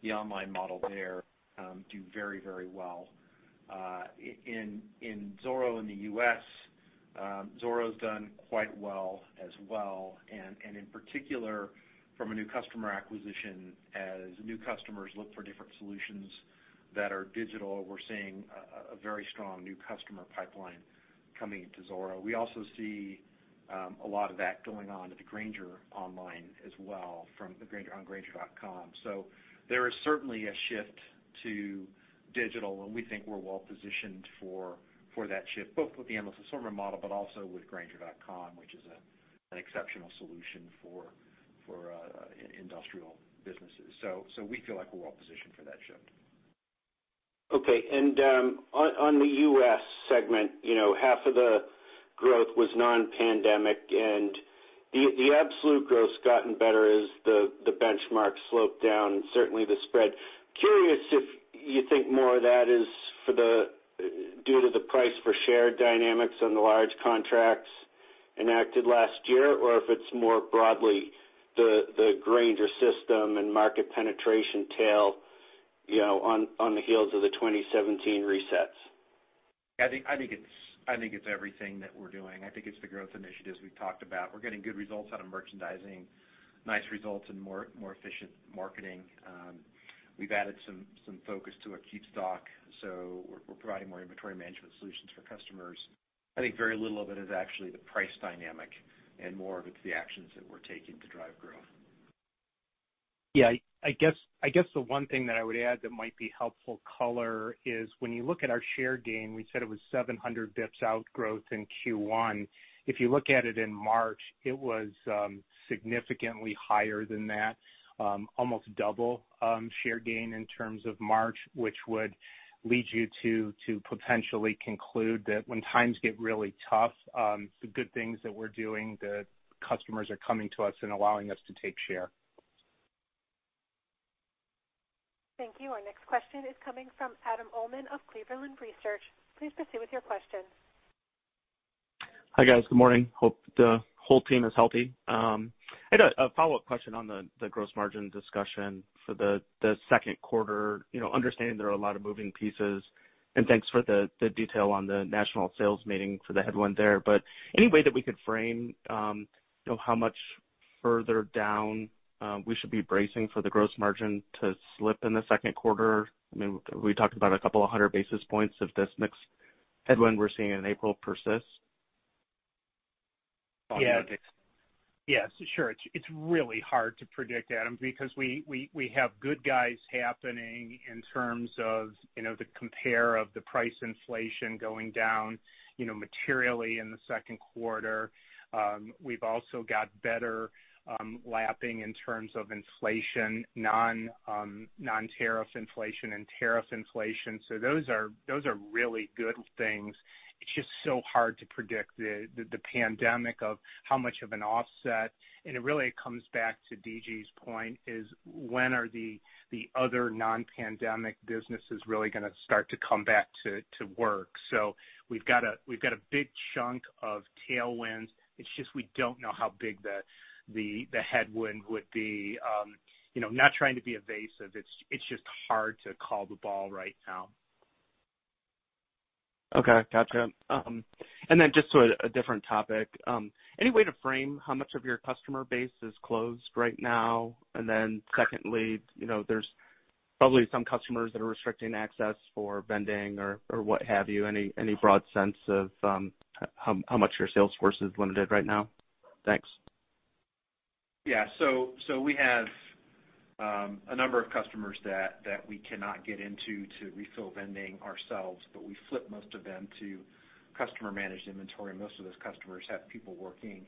the online model there do very well. In Zoro in the U.S., Zoro's done quite well as well, and in particular, from a new customer acquisition, as new customers look for different solutions that are digital, we're seeing a very strong new customer pipeline coming into Zoro. We also see a lot of that going on at the Grainger online as well from the Grainger on grainger.com. There is certainly a shift to digital, and we think we're well-positioned for that shift, both with the endless assortment model, but also with grainger.com, which is an exceptional solution for industrial businesses. We feel like we're well-positioned for that shift. Okay. On the U.S. segment, half of the growth was non-pandemic and the absolute growth's gotten better as the benchmark sloped down and certainly the spread. Curious if you think more of that is due to the price for shared dynamics on the large contracts enacted last year, or if it's more broadly the Grainger system and market penetration tail on the heels of the 2017 resets? I think it's everything that we're doing. I think it's the growth initiatives we've talked about. We're getting good results out of merchandising, nice results and more efficient marketing. We've added some focus to our keep stock, so we're providing more inventory management solutions for customers. I think very little of it is actually the price dynamic and more of it's the actions that we're taking to drive growth. Yeah. I guess the one thing that I would add that might be helpful color is when you look at our share gain, we said it was 700 basis points outgrowth in Q1. If you look at it in March, it was significantly higher than that. Almost double share gain in terms of March, which would lead you to potentially conclude that when times get really tough, the good things that we're doing, the customers are coming to us and allowing us to take share. Thank you. Our next question is coming from Adam Uhlman of Cleveland Research. Please proceed with your question. Hi, guys. Good morning. Hope the whole team is healthy. I had a follow-up question on the gross margin discussion for the second quarter. Understanding there are a lot of moving pieces, and thanks for the detail on the national sales meeting for the headwind there. Any way that we could frame how much further down we should be bracing for the gross margin to slip in the second quarter? We talked about a couple of hundred basis points if this next headwind we're seeing in April persists. Yes. Sure. It's really hard to predict, Adam, because we have good guys happening in terms of the compare of the price inflation going down materially in the second quarter. We've also got better lapping in terms of inflation, non-tariff inflation, and tariff inflation. Those are really good things. It's just so hard to predict the pandemic of how much of an offset. It really comes back to D.G.'s point is, when are the other non-pandemic businesses really going to start to come back to work? We've got a big chunk of tailwinds. It's just we don't know how big the headwind would be. Not trying to be evasive, it's just hard to call the ball right now. Okay. Got you. Just to a different topic, any way to frame how much of your customer base is closed right now? Secondly, there's probably some customers that are restricting access for vending or what have you. Any broad sense of how much your sales force is limited right now? Thanks. We have a number of customers that we cannot get into to refill vending ourselves, but we flip most of them to customer-managed inventory, and most of those customers have people working.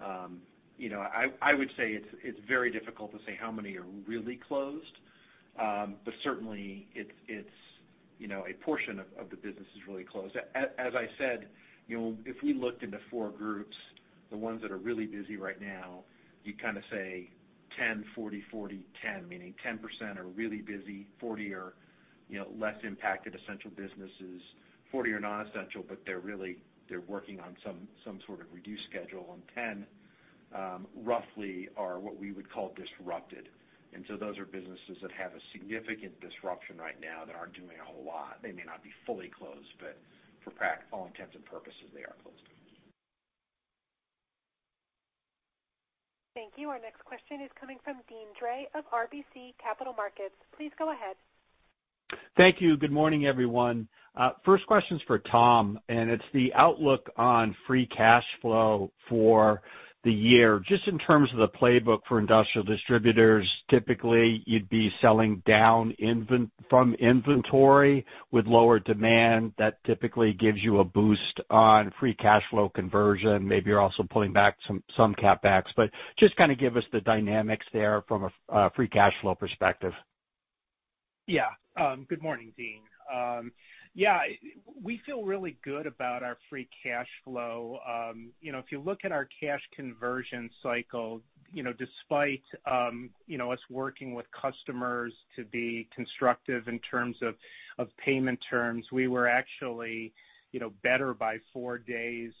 I would say it's very difficult to say how many are really closed. Certainly, a portion of the business is really closed. As I said, if we looked into four groups, the ones that are really busy right now, you kind of say 10/40/40/10, meaning 10% are really busy, 40 are less impacted essential businesses, 40 are non-essential, but they're working on some sort of reduced schedule, and 10, roughly, are what we would call disrupted. Those are businesses that have a significant disruption right now that aren't doing a whole lot. They may not be fully closed, but for all intents and purposes, they are closed. Thank you. Our next question is coming from Deane Dray of RBC Capital Markets. Please go ahead. Thank you. Good morning, everyone. First question's for Tom. It's the outlook on free cash flow for the year. Just in terms of the playbook for industrial distributors, typically, you'd be selling down from inventory with lower demand. That typically gives you a boost on free cash flow conversion. Maybe you're also pulling back some CapEx. Just kind of give us the dynamics there from a free cash flow perspective. Good morning, Deane. We feel really good about our free cash flow. If you look at our cash conversion cycle, despite us working with customers to be constructive in terms of payment terms, we were actually better by four days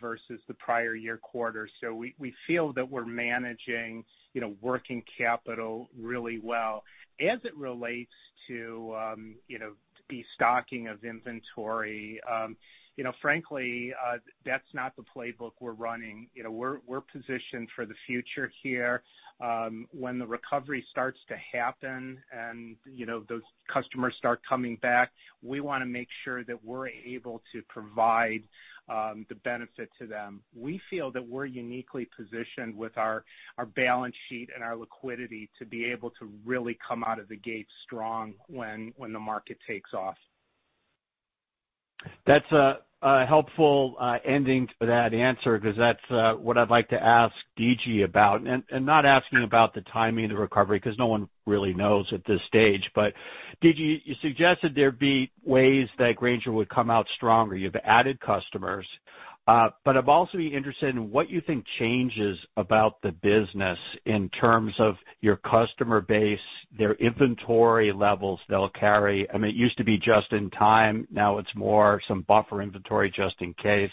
versus the prior year quarter. We feel that we're managing working capital really well. As it relates to destocking of inventory, frankly, that's not the playbook we're running. We're positioned for the future here. When the recovery starts to happen and those customers start coming back, we want to make sure that we're able to provide the benefit to them. We feel that we're uniquely positioned with our balance sheet and our liquidity to be able to really come out of the gate strong when the market takes off. That's a helpful ending to that answer because that's what I'd like to ask D.G. about. Not asking about the timing of the recovery, because no one really knows at this stage. D.G., you suggested there'd be ways that Grainger would come out stronger. You've added customers. I'm also interested in what you think changes about the business in terms of your customer base, their inventory levels they'll carry. It used to be just in time. Now it's more some buffer inventory just in case.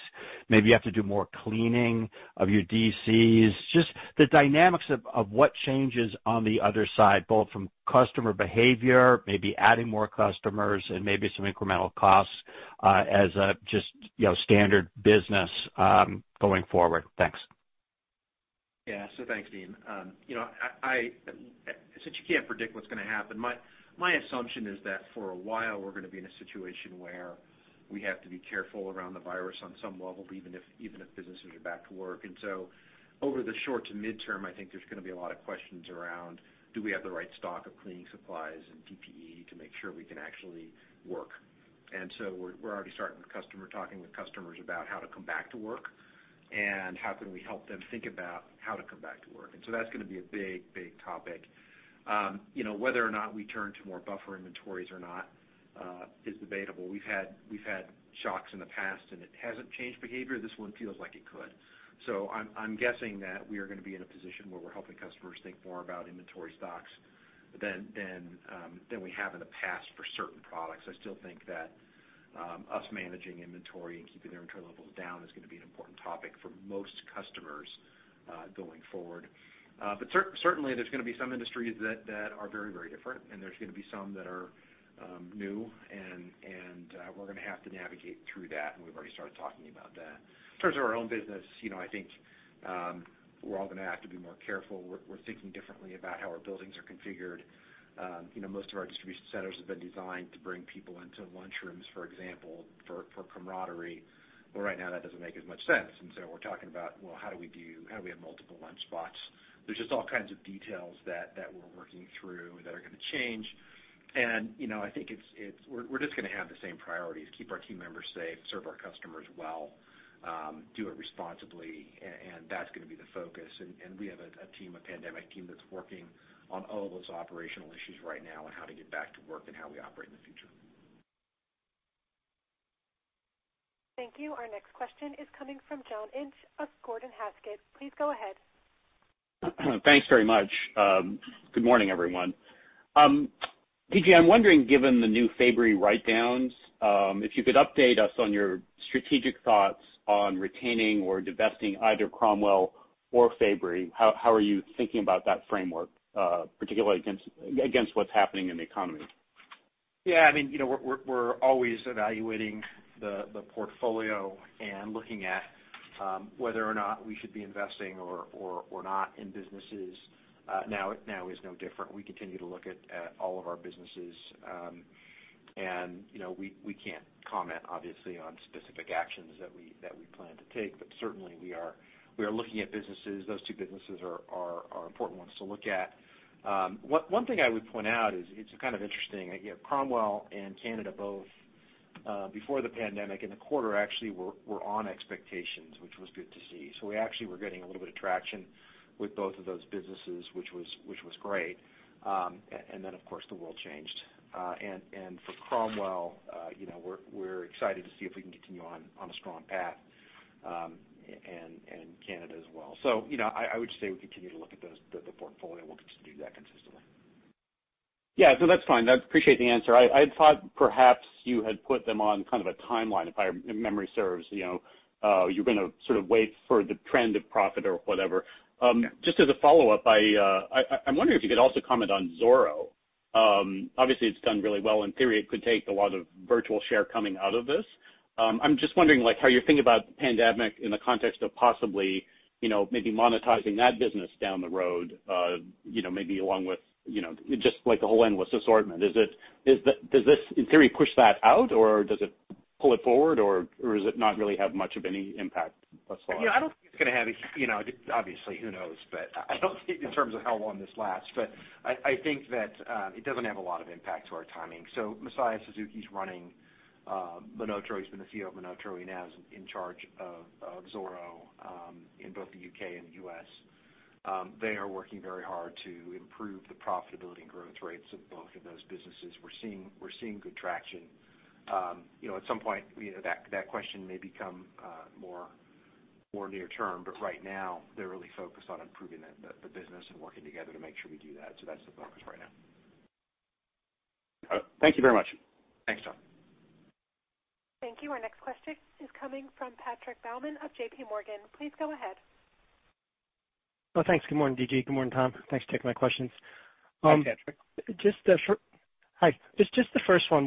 Maybe you have to do more cleaning of your DCs. Just the dynamics of what changes on the other side, both from customer behavior, maybe adding more customers, and maybe some incremental costs as a just standard business going forward. Thanks. Yeah. Thanks, Deane. Since you can't predict what's going to happen, my assumption is that for a while, we're going to be in a situation where we have to be careful around the virus on some level, even if businesses are back to work. Over the short to midterm, I think there's going to be a lot of questions around, do we have the right stock of cleaning supplies and PPE to make sure we can actually work? We're already starting with customer, talking with customers about how to come back to work, and how can we help them think about how to come back to work. That's going to be a big topic. Whether or not we turn to more buffer inventories or not is debatable. We've had shocks in the past, and it hasn't changed behavior. This one feels like it could. I'm guessing that we are going to be in a position where we're helping customers think more about inventory stocks than we have in the past for certain products. I still think that us managing inventory and keeping the inventory levels down is going to be an important topic for most customers, going forward. Certainly, there's going to be some industries that are very different, and there's going to be some that are new, and we're going to have to navigate through that, and we've already started talking about that. In terms of our own business, I think, we're all going to have to be more careful. We're thinking differently about how our buildings are configured. Most of our distribution centers have been designed to bring people into lunchrooms, for example, for camaraderie. Right now that doesn't make as much sense. We're talking about, well, how do we have multiple lunch spots? There's just all kinds of details that we're working through that are going to change. I think we're just going to have the same priorities, keep our team members safe, serve our customers well, do it responsibly, and that's going to be the focus. We have a pandemic team that's working on all of those operational issues right now and how to get back to work and how we operate in the future. Thank you. Our next question is coming from John Inch of Gordon Haskett. Please go ahead. Thanks very much. Good morning, everyone. D.G., I'm wondering, given the new Fabory write-downs, if you could update us on your strategic thoughts on retaining or divesting either Cromwell or Fabory. How are you thinking about that framework, particularly against what's happening in the economy? Yeah, we're always evaluating the portfolio and looking at whether or not we should be investing or not in businesses. Now is no different. We continue to look at all of our businesses. We can't comment, obviously, on specific actions that we plan to take, but certainly we are looking at businesses. Those two businesses are important ones to look at. One thing I would point out is, it's kind of interesting. Cromwell and Canada both, before the pandemic, in the quarter actually were on expectations, which was good to see. We actually were getting a little bit of traction with both of those businesses, which was great. Of course, the world changed. For Cromwell, we're excited to see if we can continue on a strong path, and Canada as well. I would say we continue to look at the portfolio, and we'll continue to do that consistently. Yeah. That's fine. I appreciate the answer. I thought perhaps you had put them on kind of a timeline, if memory serves. You're going to sort of wait for the trend of profit or whatever. Just as a follow-up, I'm wondering if you could also comment on Zoro? Obviously, it's done really well. In theory, it could take a lot of virtual share coming out of this. I'm just wondering how you're thinking about pandemic in the context of possibly maybe monetizing that business down the road, maybe along with just the whole endless assortment? Does this, in theory, push that out, or does it pull it forward, or does it not really have much of any impact thus far? Obviously, who knows? I don't think in terms of how long this lasts, but I think that it doesn't have a lot of impact to our timing. Masaya Suzuki's running MonotaRO. He's been the CEO of MonotaRO. He now is in charge of Zoro, in both the U.K. and the U.S. They are working very hard to improve the profitability and growth rates of both of those businesses. We're seeing good traction. At some point, that question may become more near term. Right now, they're really focused on improving the business and working together to make sure we do that. That's the focus right now. All right. Thank you very much. Thanks, John. Thank you. Our next question is coming from Patrick Baumann of JPMorgan. Please go ahead. Well, thanks. Good morning, D.G. Good morning, Tom. Thanks for taking my questions. Hi, Patrick. Hi. Just the first one.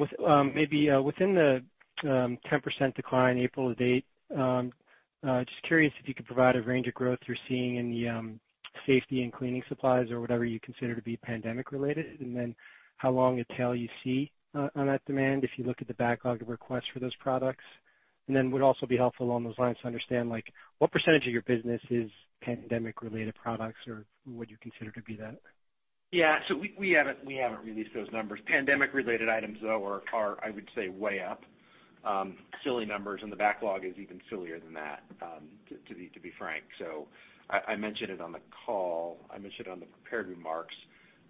Maybe within the 10% decline April to date, just curious if you could provide a range of growth you're seeing in the safety and cleaning supplies or whatever you consider to be pandemic related, how long a tail you see on that demand, if you look at the backlog of requests for those products. It would also be helpful along those lines to understand what percentage of your business is pandemic related products, or would you consider to be that? Yeah. We haven't released those numbers. Pandemic related items, though, are, I would say, way up. Silly numbers, and the backlog is even sillier than that, to be frank. I mentioned it on the call. I mentioned it on the prepared remarks.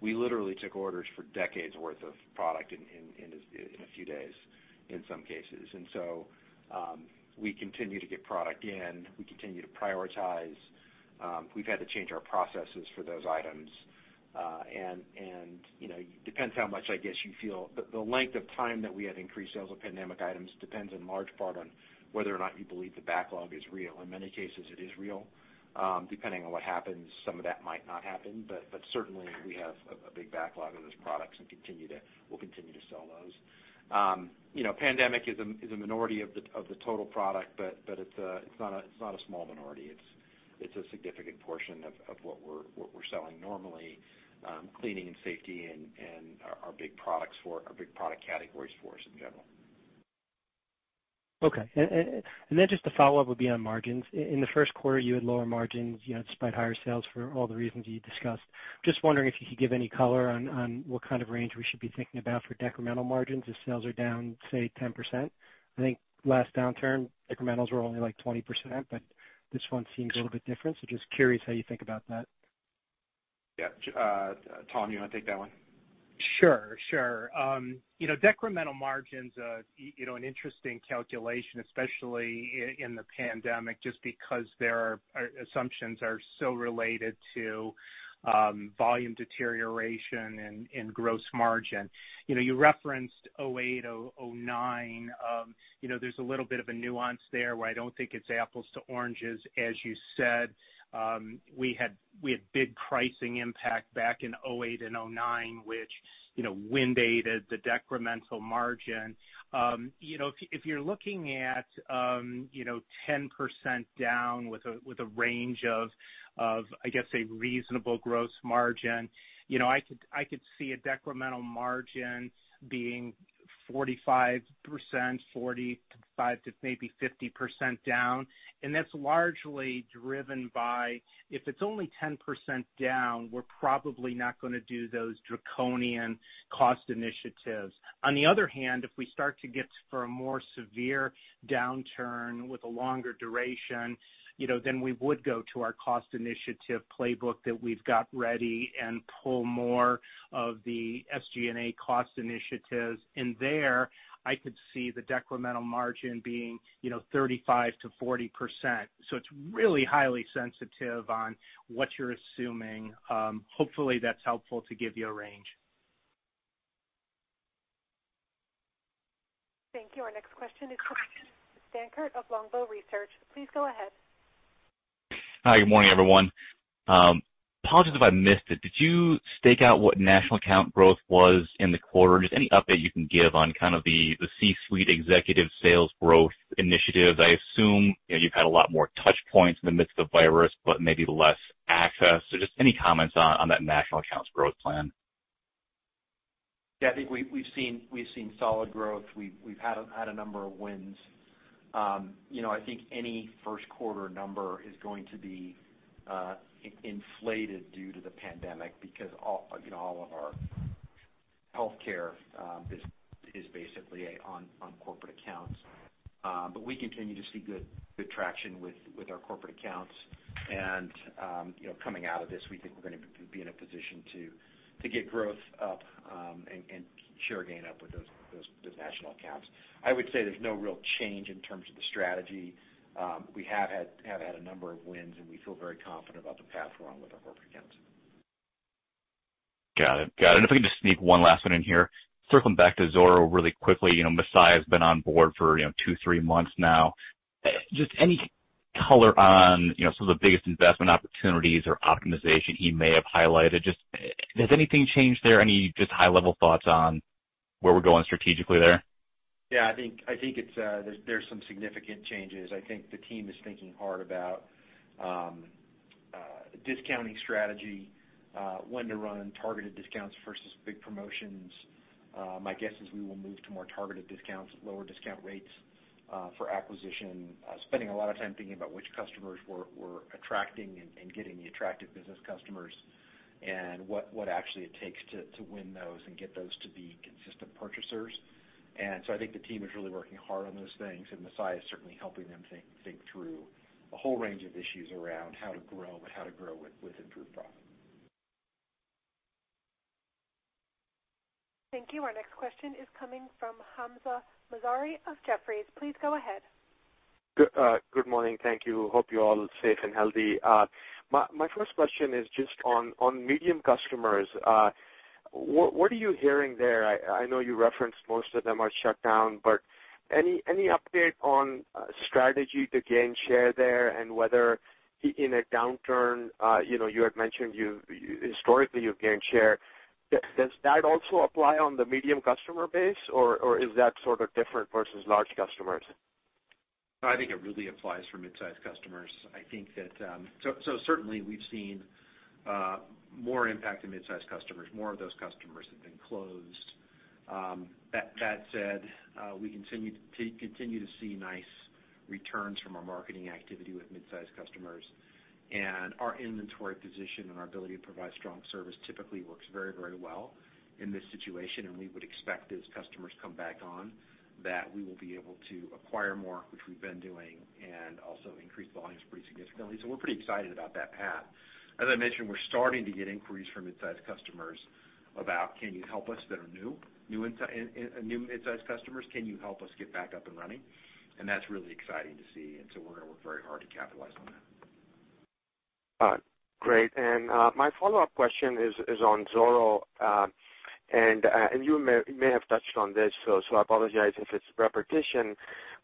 We literally took orders for decades worth of product in a few days in some cases. We continue to get product in. We continue to prioritize. We've had to change our processes for those items. It depends how much, I guess you feel, but the length of time that we had increased sales of pandemic items depends in large part on whether or not you believe the backlog is real. In many cases, it is real. Depending on what happens, some of that might not happen, but certainly we have a big backlog of those products and we'll continue to sell those. Pandemic is a minority of the total product, but it's not a small minority. It's a significant portion of what we're selling normally. Cleaning and safety are big product categories for us in general. Okay. Just a follow-up would be on margins. In the first quarter, you had lower margins despite higher sales for all the reasons you discussed. Just wondering if you could give any color on what kind of range we should be thinking about for decremental margins if sales are down, say, 10%. I think last downturn, decrementals were only like 20%, but this one seems a little bit different, so just curious how you think about that. Yeah. Tom, you want to take that one? Sure. Decremental margins, an interesting calculation, especially in the pandemic, just because their assumptions are so related to volume deterioration and gross margin. You referenced 2008, 2009. There's a little bit of a nuance there where I don't think it's apples to oranges. As you said, we had big pricing impact back in 2008 and 2009, which wind aided the decremental margin. If you're looking at 10% down with a range of, I guess, a reasonable gross margin, I could see a decremental margin being 45%-50% down. That's largely driven by, if it's only 10% down, we're probably not going to do those draconian cost initiatives. On the other hand, if we start to get for a more severe downturn with a longer duration, then we would go to our cost initiative playbook that we've got ready and pull more of the SG&A cost initiatives. There, I could see the decremental margin being 35%-40%. It's really highly sensitive on what you're assuming. Hopefully, that's helpful to give you a range. Thank you. Our next question is coming from Dankert of Longbow Research. Please go ahead. Hi. Good morning, everyone. Apologies if I missed it. Did you stake out what national account growth was in the quarter? Just any update you can give on kind of the C-suite executive sales growth initiatives. I assume you've had a lot more touch points in the midst of the virus, but maybe less access. Just any comments on that national accounts growth plan. Yeah, I think we've seen solid growth. We've had a number of wins. I think any first quarter number is going to be inflated due to the pandemic because all of our healthcare is basically on corporate accounts. We continue to see good traction with our corporate accounts and coming out of this, we think we're going to be in a position to get growth up and share gain up with those national accounts. I would say there's no real change in terms of the strategy. We have had a number of wins, and we feel very confident about the path going with our corporate accounts. Got it. If I can just sneak one last one in here. Circling back to Zoro really quickly. Masaya's been on board for two, three months now. Just any color on some of the biggest investment opportunities or optimization he may have highlighted. Just has anything changed there? Any just high level thoughts on where we're going strategically there? Yeah, I think there's some significant changes. I think the team is thinking hard about discounting strategy, when to run targeted discounts versus big promotions. My guess is we will move to more targeted discounts, lower discount rates for acquisition, spending a lot of time thinking about which customers we're attracting and getting the attractive business customers and what actually it takes to win those and get those to be consistent purchasers. I think the team is really working hard on those things, and Masaya is certainly helping them think through a whole range of issues around how to grow, but how to grow with improved profit. Thank you. Our next question is coming from Hamzah Mazari of Jefferies. Please go ahead. Good morning. Thank you. Hope you're all safe and healthy. My first question is just on medium customers. What are you hearing there? I know you referenced most of them are shut down, but any update on strategy to gain share there and whether in a downturn, you had mentioned historically you've gained share. Does that also apply on the medium customer base, or is that sort of different versus large customers? I think it really applies for mid-size customers. Certainly we've seen more impact to mid-size customers. More of those customers have been closed. That said, we continue to see nice returns from our marketing activity with mid-size customers, and our inventory position and our ability to provide strong service typically works very well in this situation, and we would expect as customers come back on, that we will be able to acquire more, which we've been doing, and also increase volumes pretty significantly. We're pretty excited about that path. As I mentioned, we're starting to get inquiries from mid-size customers about, "Can you help us?" That are new mid-size customers. "Can you help us get back up and running?" That's really exciting to see, and so we're going to work very hard to capitalize on that. Great. My follow-up question is on Zoro, and you may have touched on this, so I apologize if it's repetition,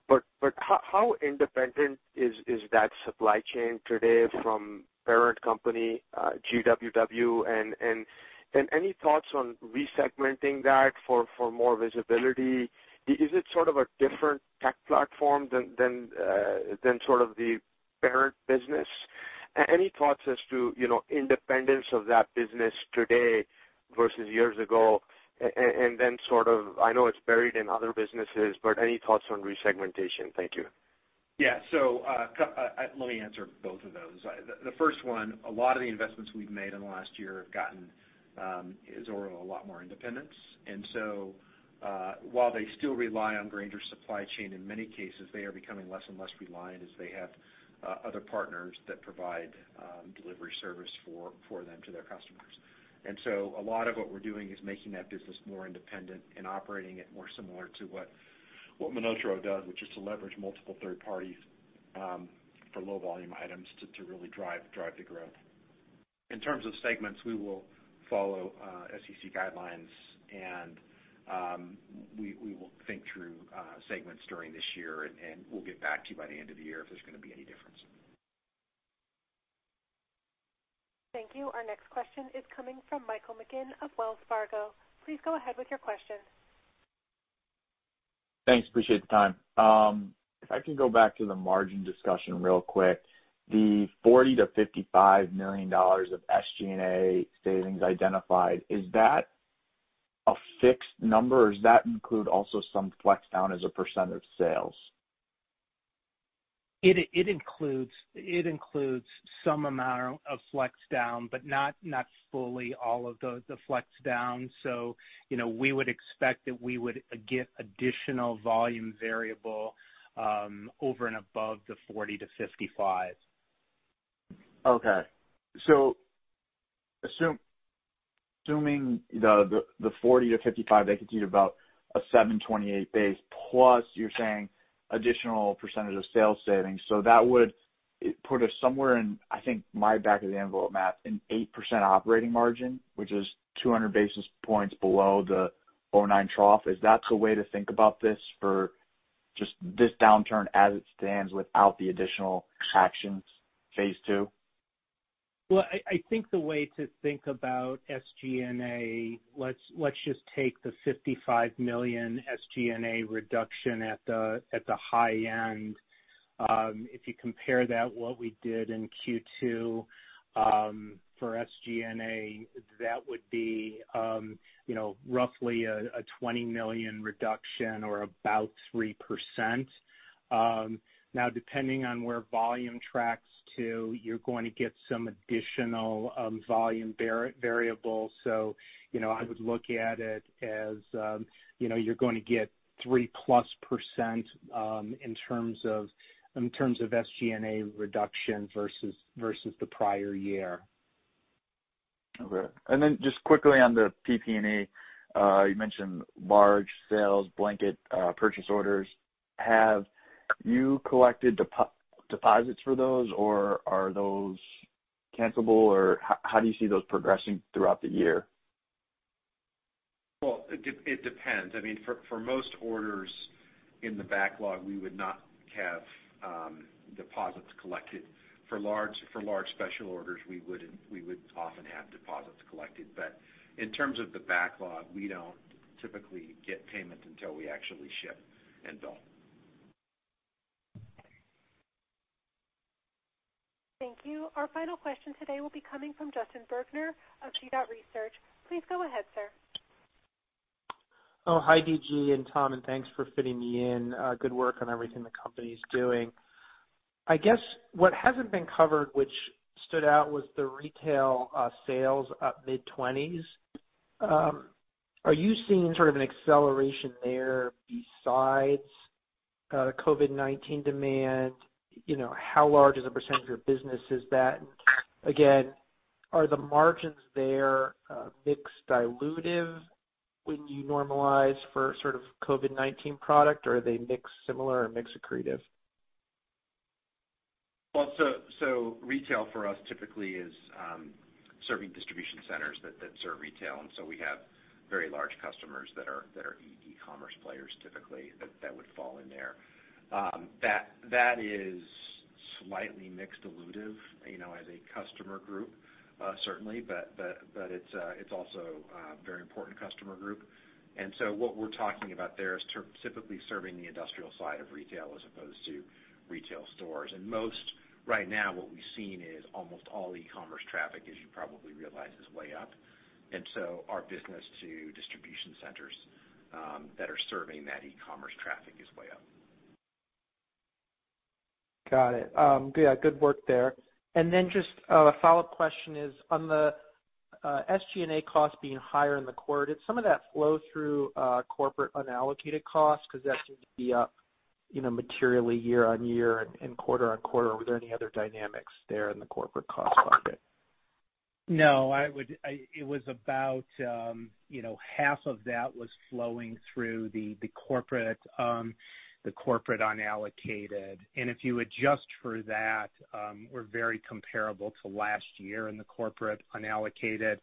but how independent is that supply chain today from parent company W.W. Grainger, and any thoughts on re-segmenting that for more visibility? Is it sort of a different tech platform than sort of the parent business? Any thoughts as to independence of that business today versus years ago? Then sort of, I know it's buried in other businesses, but any thoughts on re-segmentation? Thank you. Yeah. Let me answer both of those. The first one, a lot of the investments we've made in the last year has gotten Zoro a lot more independence. While they still rely on Grainger supply chain, in many cases, they are becoming less and less reliant as they have other partners that provide delivery service for them to their customers. A lot of what we're doing is making that business more independent and operating it more similar to what MonotaRO does, which is to leverage multiple third parties for low-volume items to really drive the growth. In terms of segments, we will follow SEC guidelines, and we will think through segments during this year, and we'll get back to you by the end of the year if there's going to be any difference. Thank you. Our next question is coming from Michael McGinn of Wells Fargo. Please go ahead with your question. Thanks. Appreciate the time. If I can go back to the margin discussion real quick. The $40 million-$55 million of SG&A savings identified, is that a fixed number, or does that include also some flex down as a percent of sales? It includes some amount of flex down, but not fully all of the flex down. We would expect that we would get additional volume variable over and above the $40 million-$55 million. Assuming the $40 million-$55 million, that could be about a $728 base, plus you're saying additional percentage of sales savings. That would put us somewhere in, I think, my back of the envelope math, an 8% operating margin, which is 200 basis points below the 2009 trough. Is that the way to think about this for just this downturn as it stands without the additional actions, phase II? Well, I think the way to think about SG&A, let's just take the $55 million SG&A reduction at the high end. If you compare that to what we did in Q2 for SG&A, that would be roughly a $20 million reduction or about 3%. Depending on where volume tracks to, you're going to get some additional volume variable. I would look at it as you're going to get 3%+ in terms of SG&A reduction versus the prior year. Okay. Just quickly on the PPE, you mentioned large sales blanket purchase orders. Have you collected deposits for those, or are those cancelable, or how do you see those progressing throughout the year? Well, it depends. For most orders in the backlog, we would not have deposits collected. For large special orders, we would often have deposits collected. In terms of the backlog, we don't typically get payment until we actually ship and bill. Thank you. Our final question today will be coming from Justin Bergner of G.Research. Please go ahead, sir. Hi, D.G. and Tom, thanks for fitting me in. Good work on everything the company's doing. I guess what hasn't been covered, which stood out, was the retail sales up mid-20s. Are you seeing sort of an acceleration there besides COVID-19 demand? How large as a percentage of your business is that? Again, are the margins there mix dilutive when you normalize for sort of COVID-19 product, or are they mix similar or mix accretive? Retail for us typically is serving distribution centers that serve retail, and we have very large customers that are e-commerce players typically that would fall in there. That is slightly mix dilutive as a customer group, certainly, it's also a very important customer group. What we're talking about there is typically serving the industrial side of retail as opposed to retail stores. Most right now, what we've seen is almost all e-commerce traffic, as you probably realize, is way up. Our business to distribution centers that are serving that e-commerce traffic is way up. Got it. Yeah, good work there. Just a follow-up question is on the SG&A cost being higher in the quarter. Did some of that flow through corporate unallocated costs? That seems to be up materially year-over-year and quarter-over-quarter. Were there any other dynamics there in the corporate cost bucket? No. It was about half of that was flowing through the corporate unallocated. If you adjust for that, we're very comparable to last year in the corporate unallocated.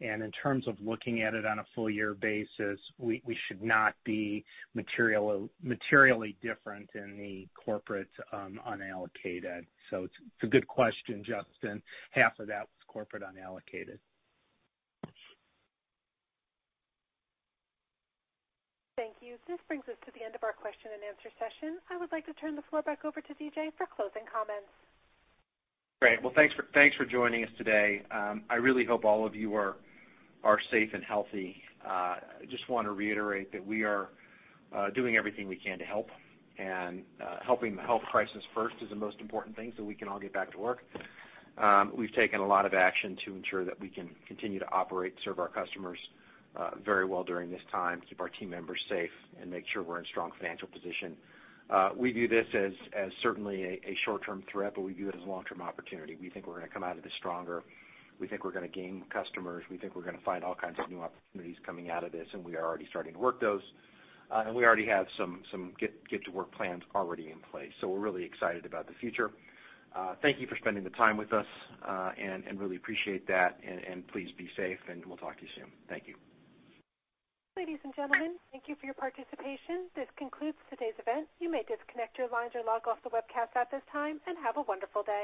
In terms of looking at it on a full-year basis, we should not be materially different in the corporate unallocated. It's a good question, Justin. Half of that was corporate unallocated. Thank you. This brings us to the end of our question and answer session. I would like to turn the floor back over to D.G. for closing comments. Well, thanks for joining us today. I really hope all of you are safe and healthy. Just want to reiterate that we are doing everything we can to help. Helping the health crisis first is the most important thing. We can all get back to work. We've taken a lot of action to ensure that we can continue to operate, serve our customers very well during this time, keep our team members safe, and make sure we're in strong financial position. We view this as certainly a short-term threat. We view it as a long-term opportunity. We think we're going to come out of this stronger. We think we're going to gain customers. We think we're going to find all kinds of new opportunities coming out of this. We are already starting to work those. We already have some get-to-work plans already in place. We're really excited about the future. Thank you for spending the time with us, and really appreciate that, and please be safe, and we'll talk to you soon. Thank you. Ladies and gentlemen, thank you for your participation. This concludes today's event. You may disconnect your lines or log off the webcast at this time, and have a wonderful day.